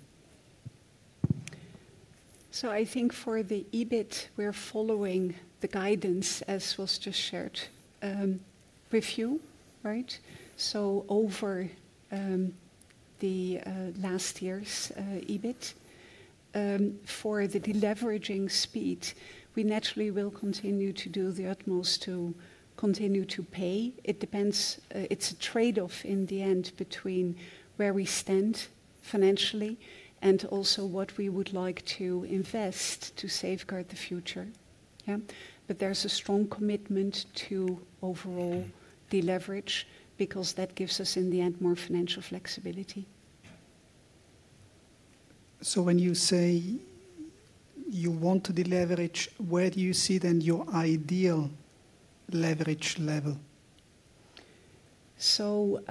So, I think for the EBIT, we're following the guidance as was just shared with you, right? So, over the last year's EBIT, for the deleveraging speed, we naturally will continue to do the utmost to continue to pay. It depends. It's a trade-off in the end between where we stand financially and also what we would like to invest to safeguard the future. But there's a strong commitment to overall deleverage because that gives us, in the end, more financial flexibility. So, when you say you want to deleverage, where do you see then your ideal leverage level? So,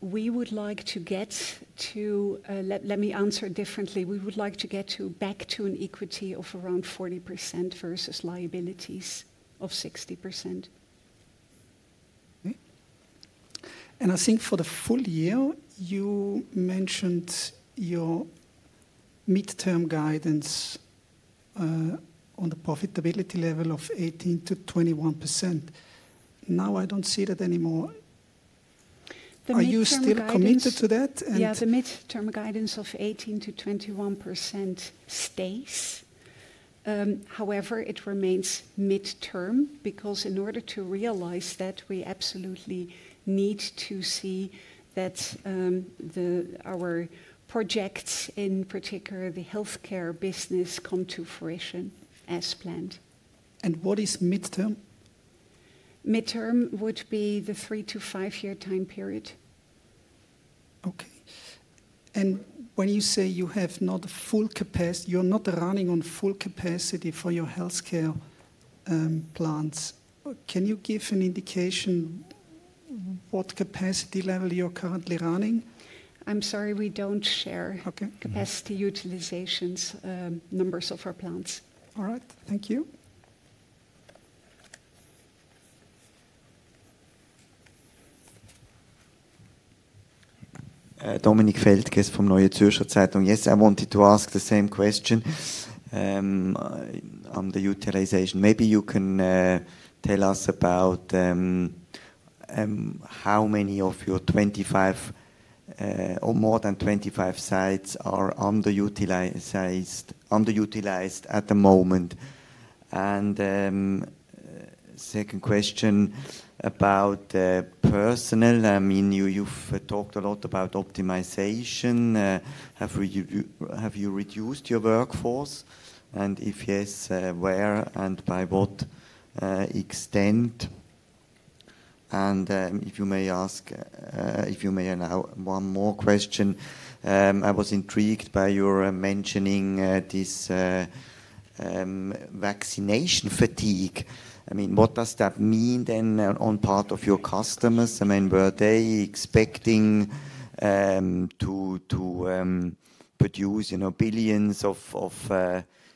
we would like to get to, let me answer differently, we would like to get back to an equity of around 40% versus liabilities of 60%. And I think for the full year, you mentioned your midterm guidance on the profitability level of 18%-21%. Now, I don't see that anymore. Are you still committed to that? Yeah, the midterm guidance of 18%-21% stays. However, it remains midterm because in order to realize that, we absolutely need to see that our projects, in particular the Healthcare business, come to fruition as planned. And what is midterm? Midterm would be the 3-5-year time period. Okay. And when you say you have not full capacity, you're not running on full capacity for your Healthcare plants, can you give an indication what capacity level you're currently running? I'm sorry, we don't share capacity utilizations, numbers of our plants. All right. Thank you. Dominik Feldges from Neue Zürcher Zeitung. Yes, I wanted to ask the same question on the utilization. Maybe you can tell us about how many of your 25 or more than 25 sites are underutilized at the moment. And second question about the personnel. I mean, you've talked a lot about optimization. Have you reduced your workforce? And if yes, where and by what extent? And if you may ask, if you may allow one more question, I was intrigued by your mentioning this vaccination fatigue. I mean, what does that mean then on part of your customers? I mean, were they expecting to produce billions of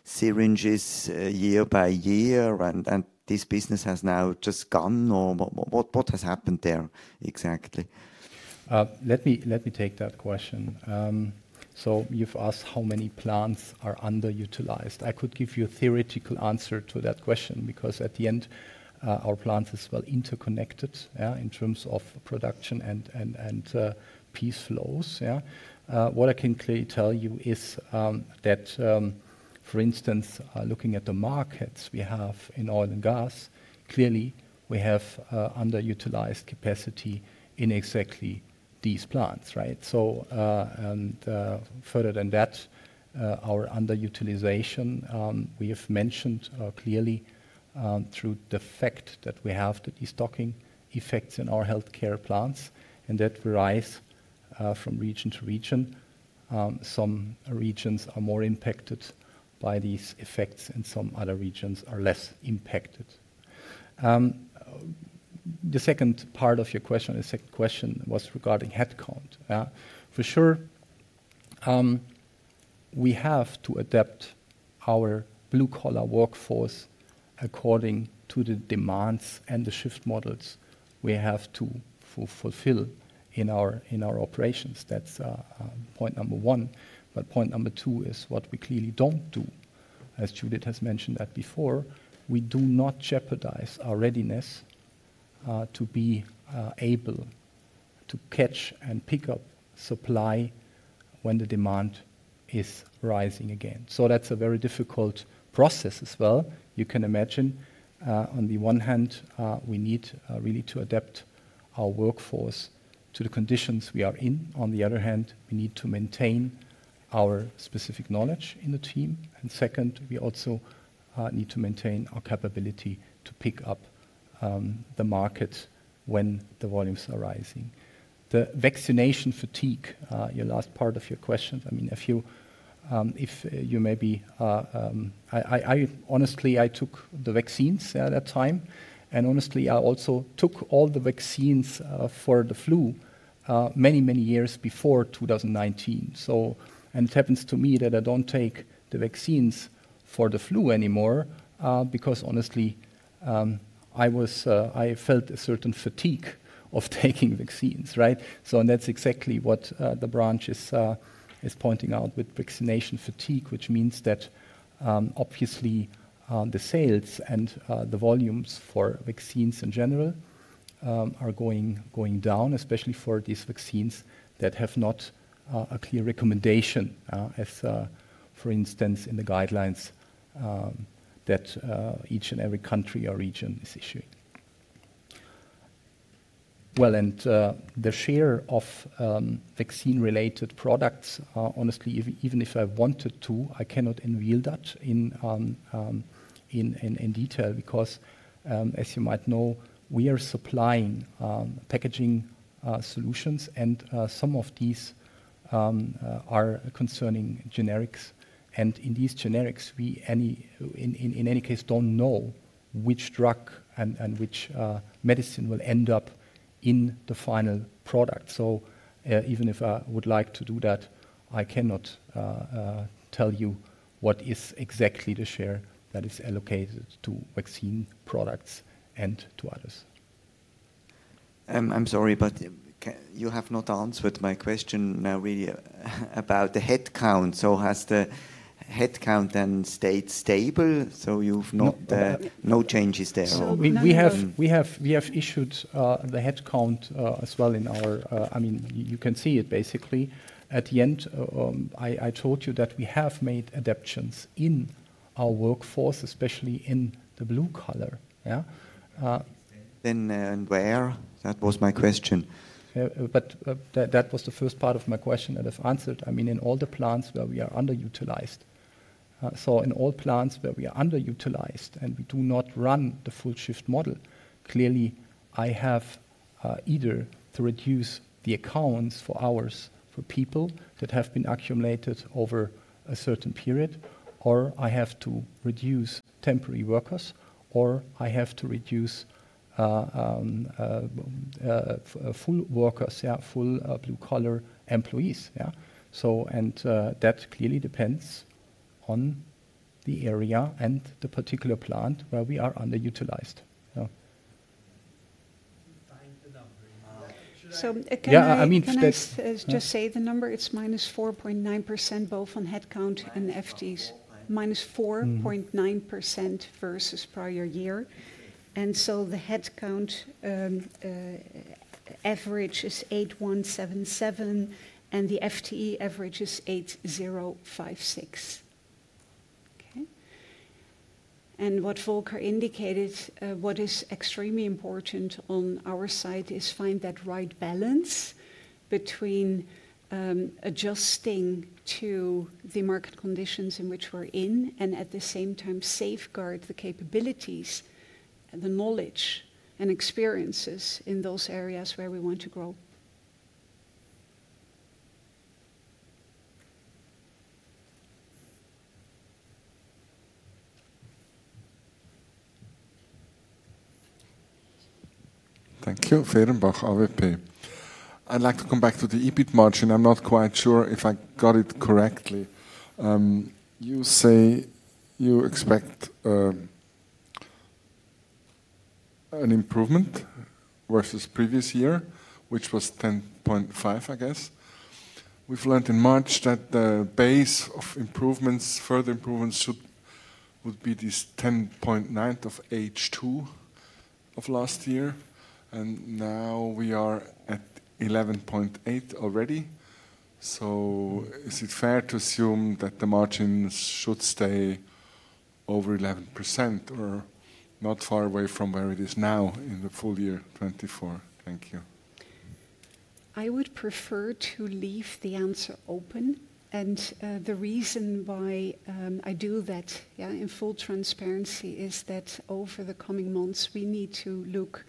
syringes year by year? And this business has now just gone? What has happened there exactly? Let me take that question. So, you've asked how many plants are underutilized. I could give you a theoretical answer to that question because at the end, our plants are well interconnected in terms of production and piece flows. What I can clearly tell you is that, for instance, looking at the markets we have in oil and gas, clearly we have underutilized capacity in exactly these plants, right? So, and further than that, our underutilization, we have mentioned clearly through the fact that we have the destocking effects in our Healthcare plants, and that varies from region to region. Some regions are more impacted by these effects, and some other regions are less impacted. The second part of your question, the second question was regarding headcount. For sure, we have to adapt our blue-collar workforce according to the demands and the shift models we have to fulfill in our operations. That's point number one. But point number two is what we clearly don't do. As Judith has mentioned that before, we do not jeopardize our readiness to be able to catch and pick up supply when the demand is rising again. So, that's a very difficult process as well. You can imagine, on the one hand, we need really to adapt our workforce to the conditions we are in. On the other hand, we need to maintain our specific knowledge in the team. Second, we also need to maintain our capability to pick up the market when the volumes are rising. The vaccination fatigue, your last part of your question, I mean, if you maybe, I honestly, I took the vaccines at that time, and honestly, I also took all the vaccines for the flu many, many years before 2019. So, and it happens to me that I don't take the vaccines for the flu anymore because honestly, I felt a certain fatigue of taking vaccines, right? That's exactly what the branch is pointing out with vaccination fatigue, which means that obviously the sales and the volumes for vaccines in general are going down, especially for these vaccines that have not a clear recommendation, as for instance, in the guidelines that each and every country or region is issuing. Well, and the share of vaccine-related products, honestly, even if I wanted to, I cannot unveil that in detail because, as you might know, we are supplying packaging solutions, and some of these are concerning generics. And in these generics, we in any case don't know which drug and which medicine will end up in the final product. So, even if I would like to do that, I cannot tell you what is exactly the share that is allocated to vaccine products and to others. I'm sorry, but you have not answered my question now really about the headcount. So, has the headcount then stayed stable? So, you've not. No changes there. So, we have adjusted the headcount as well in our, I mean, you can see it basically at the end. I told you that we have made adaptations in our workforce, especially in the blue-collar. Then where? That was my question. But that was the first part of my question that I've answered. I mean, in all the plants where we are underutilized. So, in all plants where we are underutilized and we do not run the full shift model, clearly I have either to reduce the accrued hours for people that have been accumulated over a certain period, or I have to reduce temporary workers, or I have to reduce full workers, full blue-collar employees. That clearly depends on the area and the particular plant where we are underutilized. Can you just say the number? It's -4.9% both on headcount and FTEs. -4.9% versus prior year. The headcount average is 8,177, and the FTE average is 8,056. Okay. What Volker indicated, what is extremely important on our side is find that right balance between adjusting to the market conditions in which we're in and at the same time safeguard the capabilities, the knowledge, and experiences in those areas where we want to grow. Thank you. Fehrenbach, AWP. I'd like to come back to the EBIT margin. I'm not quite sure if I got it correctly. You say you expect an improvement versus previous year, which was 10.5%, I guess. We've learned in March that the base of improvements, further improvements would be this 10.9 of H2 of last year. And now we are at 11.8 already. So, is it fair to assume that the margins should stay over 11% or not far away from where it is now in the full year 2024? Thank you. I would prefer to leave the answer open. And the reason why I do that in full transparency is that over the coming months, we need to look,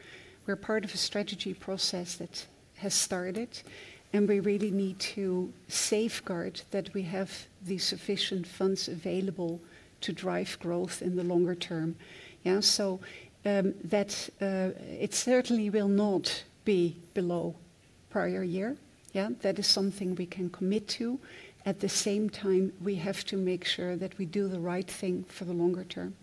we're part of a strategy process that has started, and we really need to safeguard that we have the sufficient funds available to drive growth in the longer term. So, that it certainly will not be below prior year. That is something we can commit to. At the same time, we have to make sure that we do the right thing for the longer term.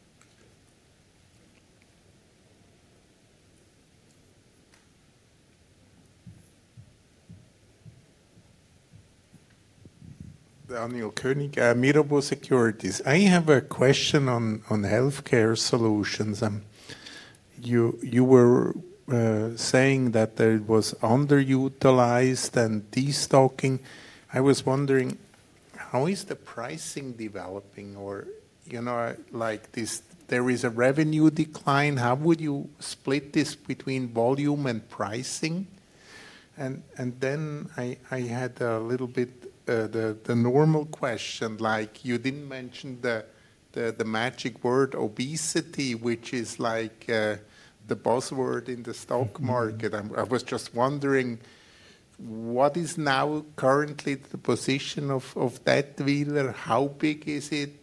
Daniel Koenig, Mirabaud Securities. I have a question on Healthcare Solutions. You were saying that there was underutilized and destocking. I was wondering, how is the pricing developing? Or like this, there is a revenue decline. How would you split this between volume and pricing? And then I had a little bit the normal question, like you didn't mention the magic word obesity, which is like the buzzword in the stock market. I was just wondering, what is now currently the position of Dätwyler? How big is it?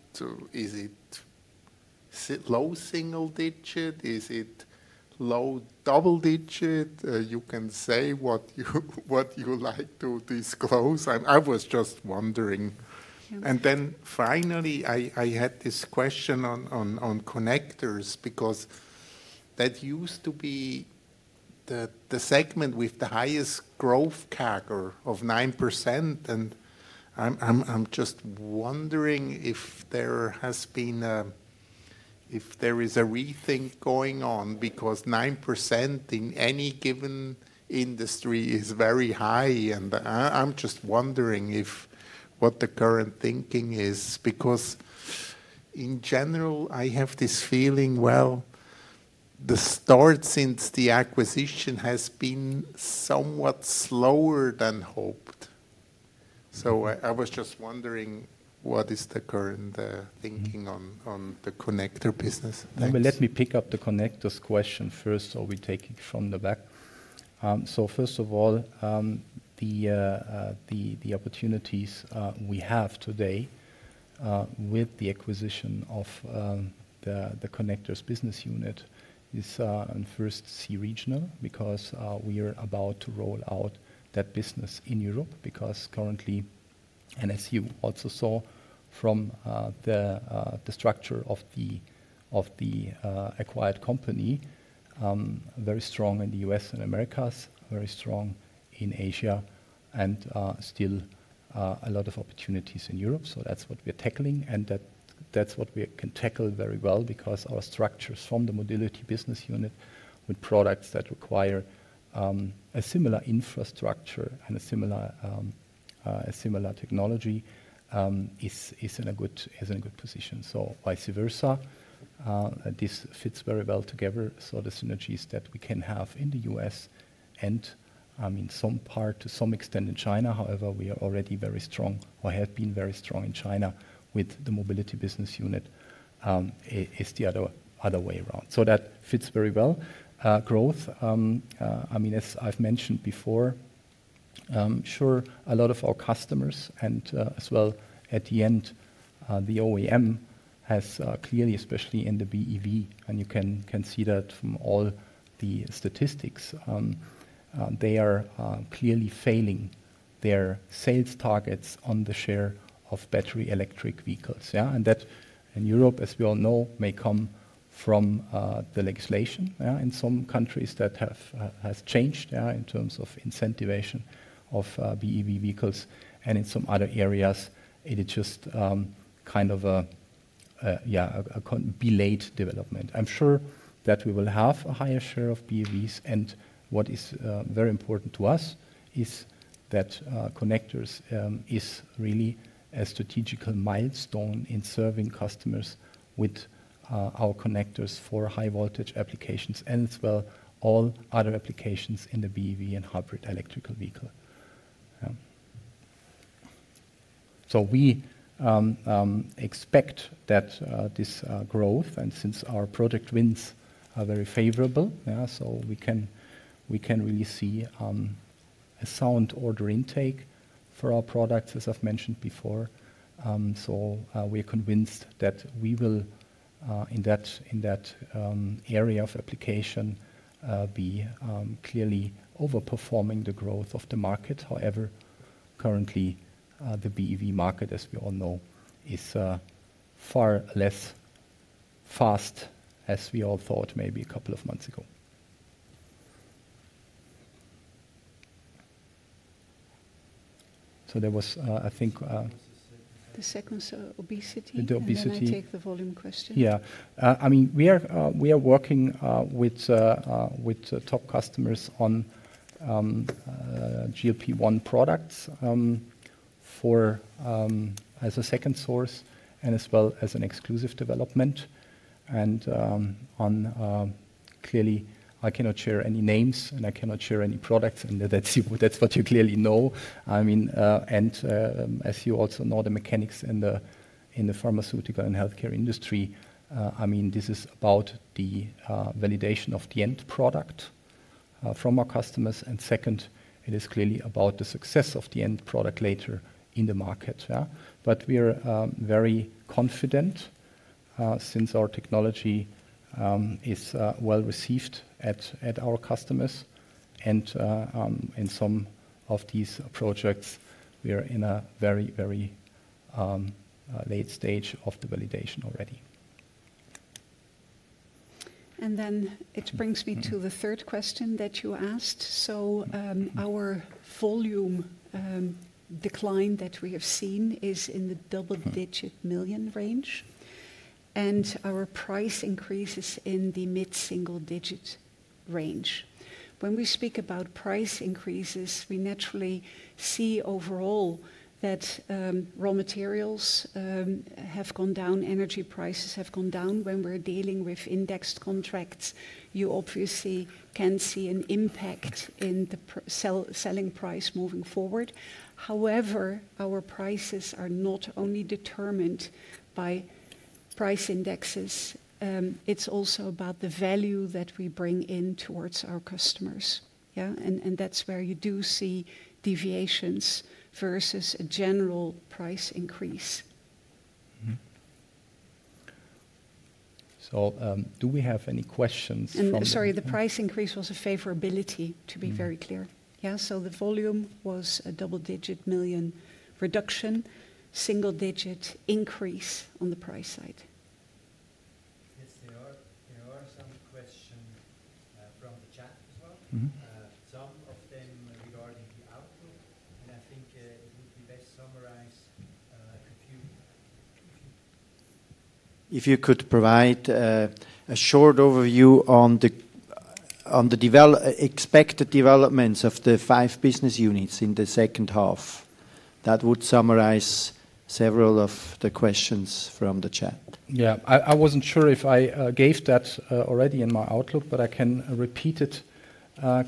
Is it low single-digit? Is it low double-digit? You can say what you like to disclose. I was just wondering. And then finally, I had this question on Connectors because that used to be the segment with the highest growth CAGR of 9%. I'm just wondering if there has been a, if there is a rethink going on because 9% in any given industry is very high. I'm just wondering what the current thinking is because in general, I have this feeling, well, the start since the acquisition has been somewhat slower than hoped. So, I was just wondering what is the current thinking on the connector business. Let me pick up the Connectors question first, so we take it from the back. So, first of all, the opportunities we have today with the acquisition of the Connectors business unit is first, geographically because we are about to roll out that business in Europe because currently, and as you also saw from the structure of the acquired company, very strong in the U.S. and Americas, very strong in Asia, and still a lot of opportunities in Europe. So, that's what we're tackling. That's what we can tackle very well because our structures from the Mobility business unit with products that require a similar infrastructure and a similar technology is in a good position. So, vice versa, this fits very well together. So, the synergies that we can have in the U.S. and in some part, to some extent in China, however, we are already very strong or have been very strong in China with the Mobility business unit is the other way around. So, that fits very well. Growth, I mean, as I've mentioned before, sure, a lot of our customers and as well at the end, the OEM has clearly, especially in the BEV, and you can see that from all the statistics, they are clearly failing their sales targets on the share of battery electric vehicles. That in Europe, as we all know, may come from the legislation in some countries that has changed in terms of incentivization of BEV vehicles. In some other areas, it is just kind of a delayed development. I'm sure that we will have a higher share of BEVs. What is very important to us is that Connectors is really a strategic milestone in serving customers with our Connectors for high-voltage applications and as well as all other applications in the BEV and hybrid electric vehicle. So, we expect that this growth and since our project wins are very favorable, so we can really see a sound order intake for our products, as I've mentioned before. So, we are convinced that we will in that area of application be clearly overperforming the growth of the market. However, currently, the BEV market, as we all know, is far less fast as we all thought maybe a couple of months ago. The second, so obesity. Then I take the volume question. Yeah. I mean, we are working with top customers on GLP-1 products as a second source and as well as an exclusive development. And clearly, I cannot share any names and I cannot share any products, and that's what you clearly know. I mean, and as you also know, the mechanics in the pharmaceutical and Healthcare industry, I mean, this is about the validation of the end product from our customers. And second, it is clearly about the success of the end product later in the market. But we are very confident since our technology is well received at our customers. In some of these projects, we are in a very, very late stage of the validation already. Then it brings me to the third question that you asked. Our volume decline that we have seen is in the double-digit million range. Our price increases in the mid-single-digit range. When we speak about price increases, we naturally see overall that raw materials have gone down, energy prices have gone down. When we're dealing with indexed contracts, you obviously can see an impact in the selling price moving forward. However, our prices are not only determined by price indexes. It's also about the value that we bring in towards our customers. That's where you do see deviations versus a general price increase. So, do we have any questions from. Sorry, the price increase was a favorability, to be very clear. Yeah. So, the volume was a double-digit million reduction, single-digit increase on the price side. Yes, there are some questions from the chat as well. Some of them regarding the outlook. I think it would be best summarized if you could provide a short overview on the expected developments of the five business units in the second half. That would summarize several of the questions from the chat. Yeah. I wasn't sure if I gave that already in my outlook, but I can repeat it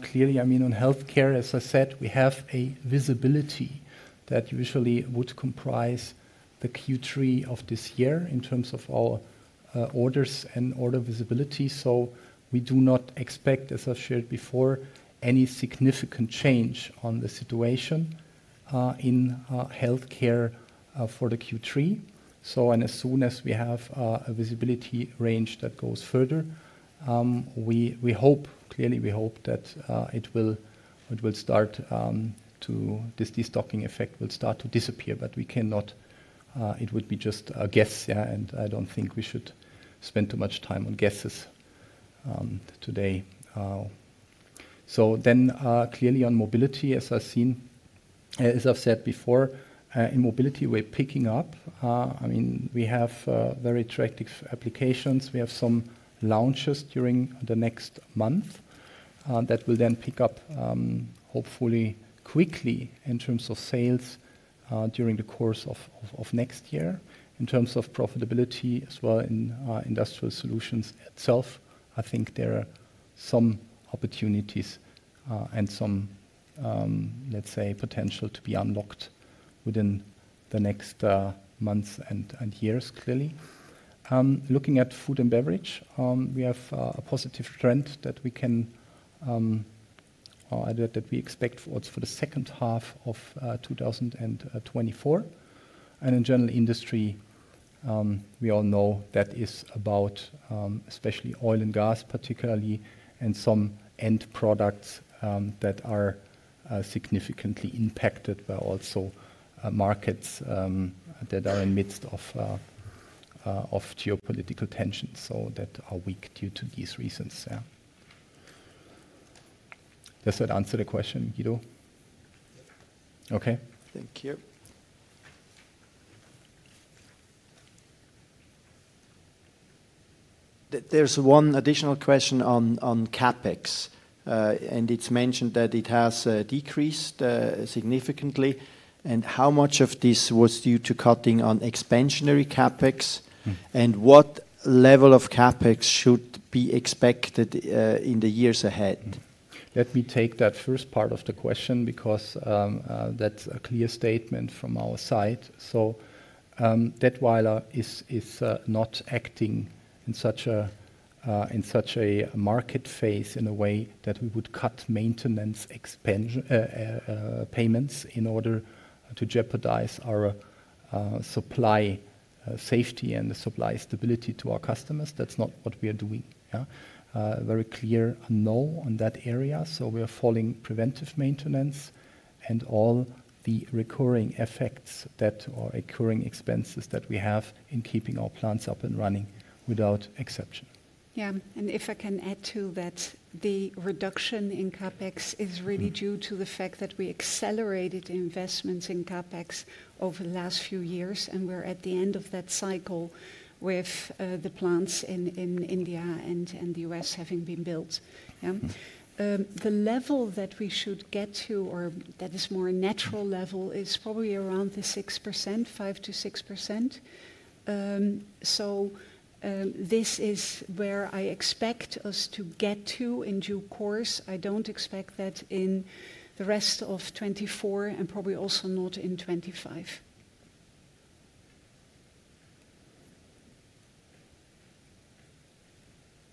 clearly. I mean, in Healthcare, as I said, we have a visibility that usually would comprise the Q3 of this year in terms of our orders and order visibility. So, we do not expect, as I've shared before, any significant change on the situation in Healthcare for the Q3. So, and as soon as we have a visibility range that goes further, we hope, clearly, we hope that it will start to, this destocking effect will start to disappear, but we cannot, it would be just a guess. I don't think we should spend too much time on guesses today. So then, clearly on Mobility, as I've seen, as I've said before, in Mobility, we're picking up. I mean, we have very attractive applications. We have some launches during the next month that will then pick up, hopefully, quickly in terms of sales during the course of next year. In terms of profitability, as well in Industrial Solutions itself, I think there are some opportunities and some, let's say, potential to be unlocked within the next months and years, clearly. Looking at Food and Beverage, we have a positive trend that we expect for the second half of 2024. In General Industry, we all know that is about especially oil and gas, particularly, and some end products that are significantly impacted by also markets that are in midst of geopolitical tensions. So that are weak due to these reasons. Does that answer the question, Guido? Okay. Thank you. There's one additional question on CapEx. It's mentioned that it has decreased significantly. How much of this was due to cutting on expansionary CapEx? What level of CapEx should be expected in the years ahead? Let me take that first part of the question because that's a clear statement from our side. So, we are not acting in such a market phase in a way that we would cut maintenance payments in order to jeopardize our supply safety and the supply stability to our customers, that's not what we are doing. Very clear no on that area. So, we are following preventive maintenance and all the recurring effects that are recurring expenses that we have in keeping our plants up and running without exception. Yeah. And if I can add to that, the reduction in CapEx is really due to the fact that we accelerated investments in CapEx over the last few years. And we're at the end of that cycle with the plants in India and the U.S. having been built. The level that we should get to, or that is more natural level, is probably around the 6%, 5%-6%. So, this is where I expect us to get to in due course. I don't expect that in the rest of 2024 and probably also not in 2025.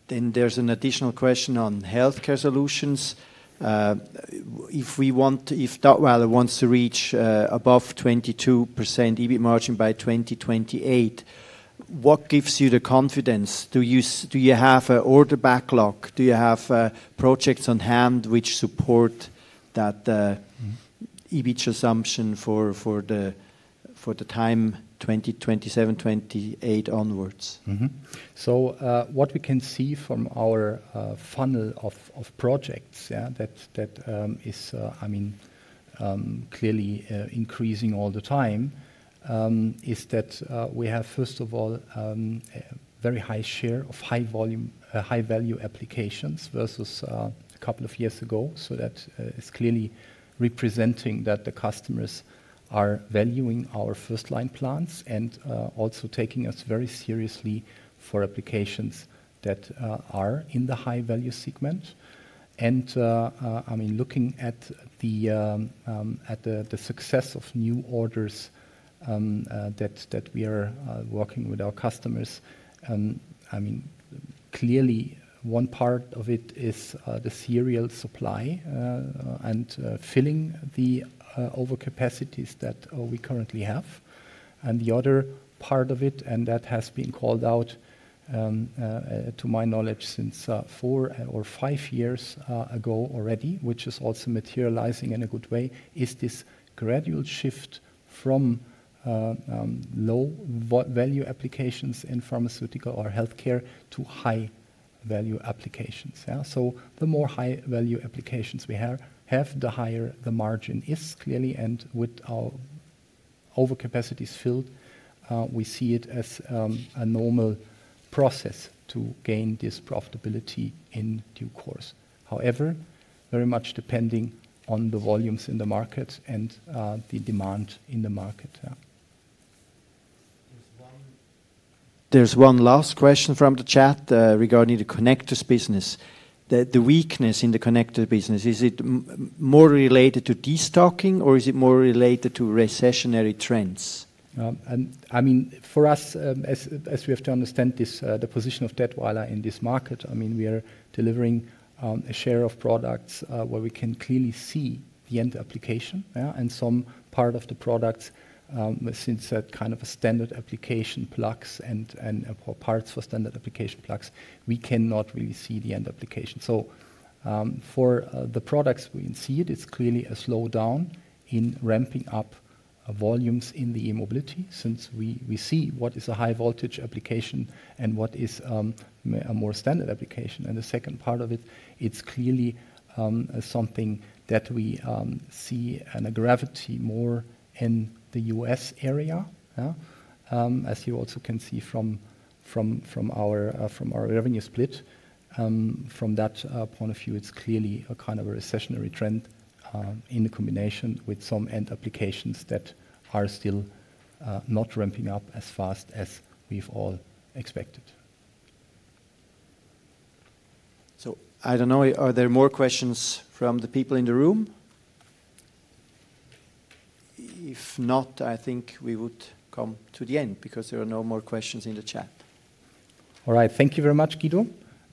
Then there's an additional question on Healthcare Solutions. If Dätwyler wants to reach above 22% EBIT margin by 2028, what gives you the confidence? Do you have an order backlog? Do you have projects on hand which support that EBIT assumption for the time 2027, 2028 onwards? So, what we can see from our funnel of projects that is, I mean, clearly increasing all the time is that we have, first of all, a very high share of high-value applications versus a couple of years ago. So, that is clearly representing that the customers are valuing our first-line plants and also taking us very seriously for applications that are in the high-value segment. I mean, looking at the success of new orders that we are working with our customers, I mean, clearly one part of it is the serial supply and filling the overcapacities that we currently have. And the other part of it, and that has been called out to my knowledge since four or five years ago already, which is also materializing in a good way, is this gradual shift from low-value applications in pharmaceutical or Healthcare to high-value applications. So, the more high-value applications we have, the higher the margin is clearly. And with our overcapacities filled, we see it as a normal process to gain this profitability in due course. However, very much depending on the volumes in the market and the demand in the market. There's one last question from the chat regarding the Connectors business. The weakness in the connector business, is it more related to destocking or is it more related to recessionary trends? I mean, for us, as we have to understand the position of Dätwyler in this market, I mean, we are delivering a share of products where we can clearly see the end application. And some part of the products, since that kind of a standard application plugs and parts for standard application plugs, we cannot really see the end application. So, for the products we can see it, it's clearly a slowdown in ramping up volumes in the e-mobility since we see what is a high-voltage application and what is a more standard application. And the second part of it, it's clearly something that we see a gravity more in the U.S. area. As you also can see from our revenue split, from that point of view, it's clearly a kind of a recessionary trend in the combination with some end applications that are still not ramping up as fast as we've all expected. So, I don't know, are there more questions from the people in the room? If not, I think we would come to the end because there are no more questions in the chat. All right. Thank you very much, Guido.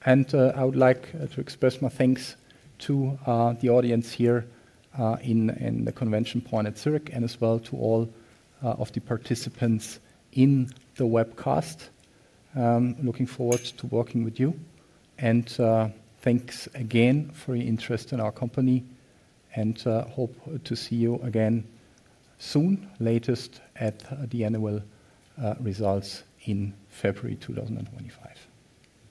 And I would like to express my thanks to the audience here in the ConventionPoint at Zurich and as well to all of the participants in the webcast. Looking forward to working with you. And thanks again for your interest in our company and hope to see you again soon, latest at the annual results in February 2025.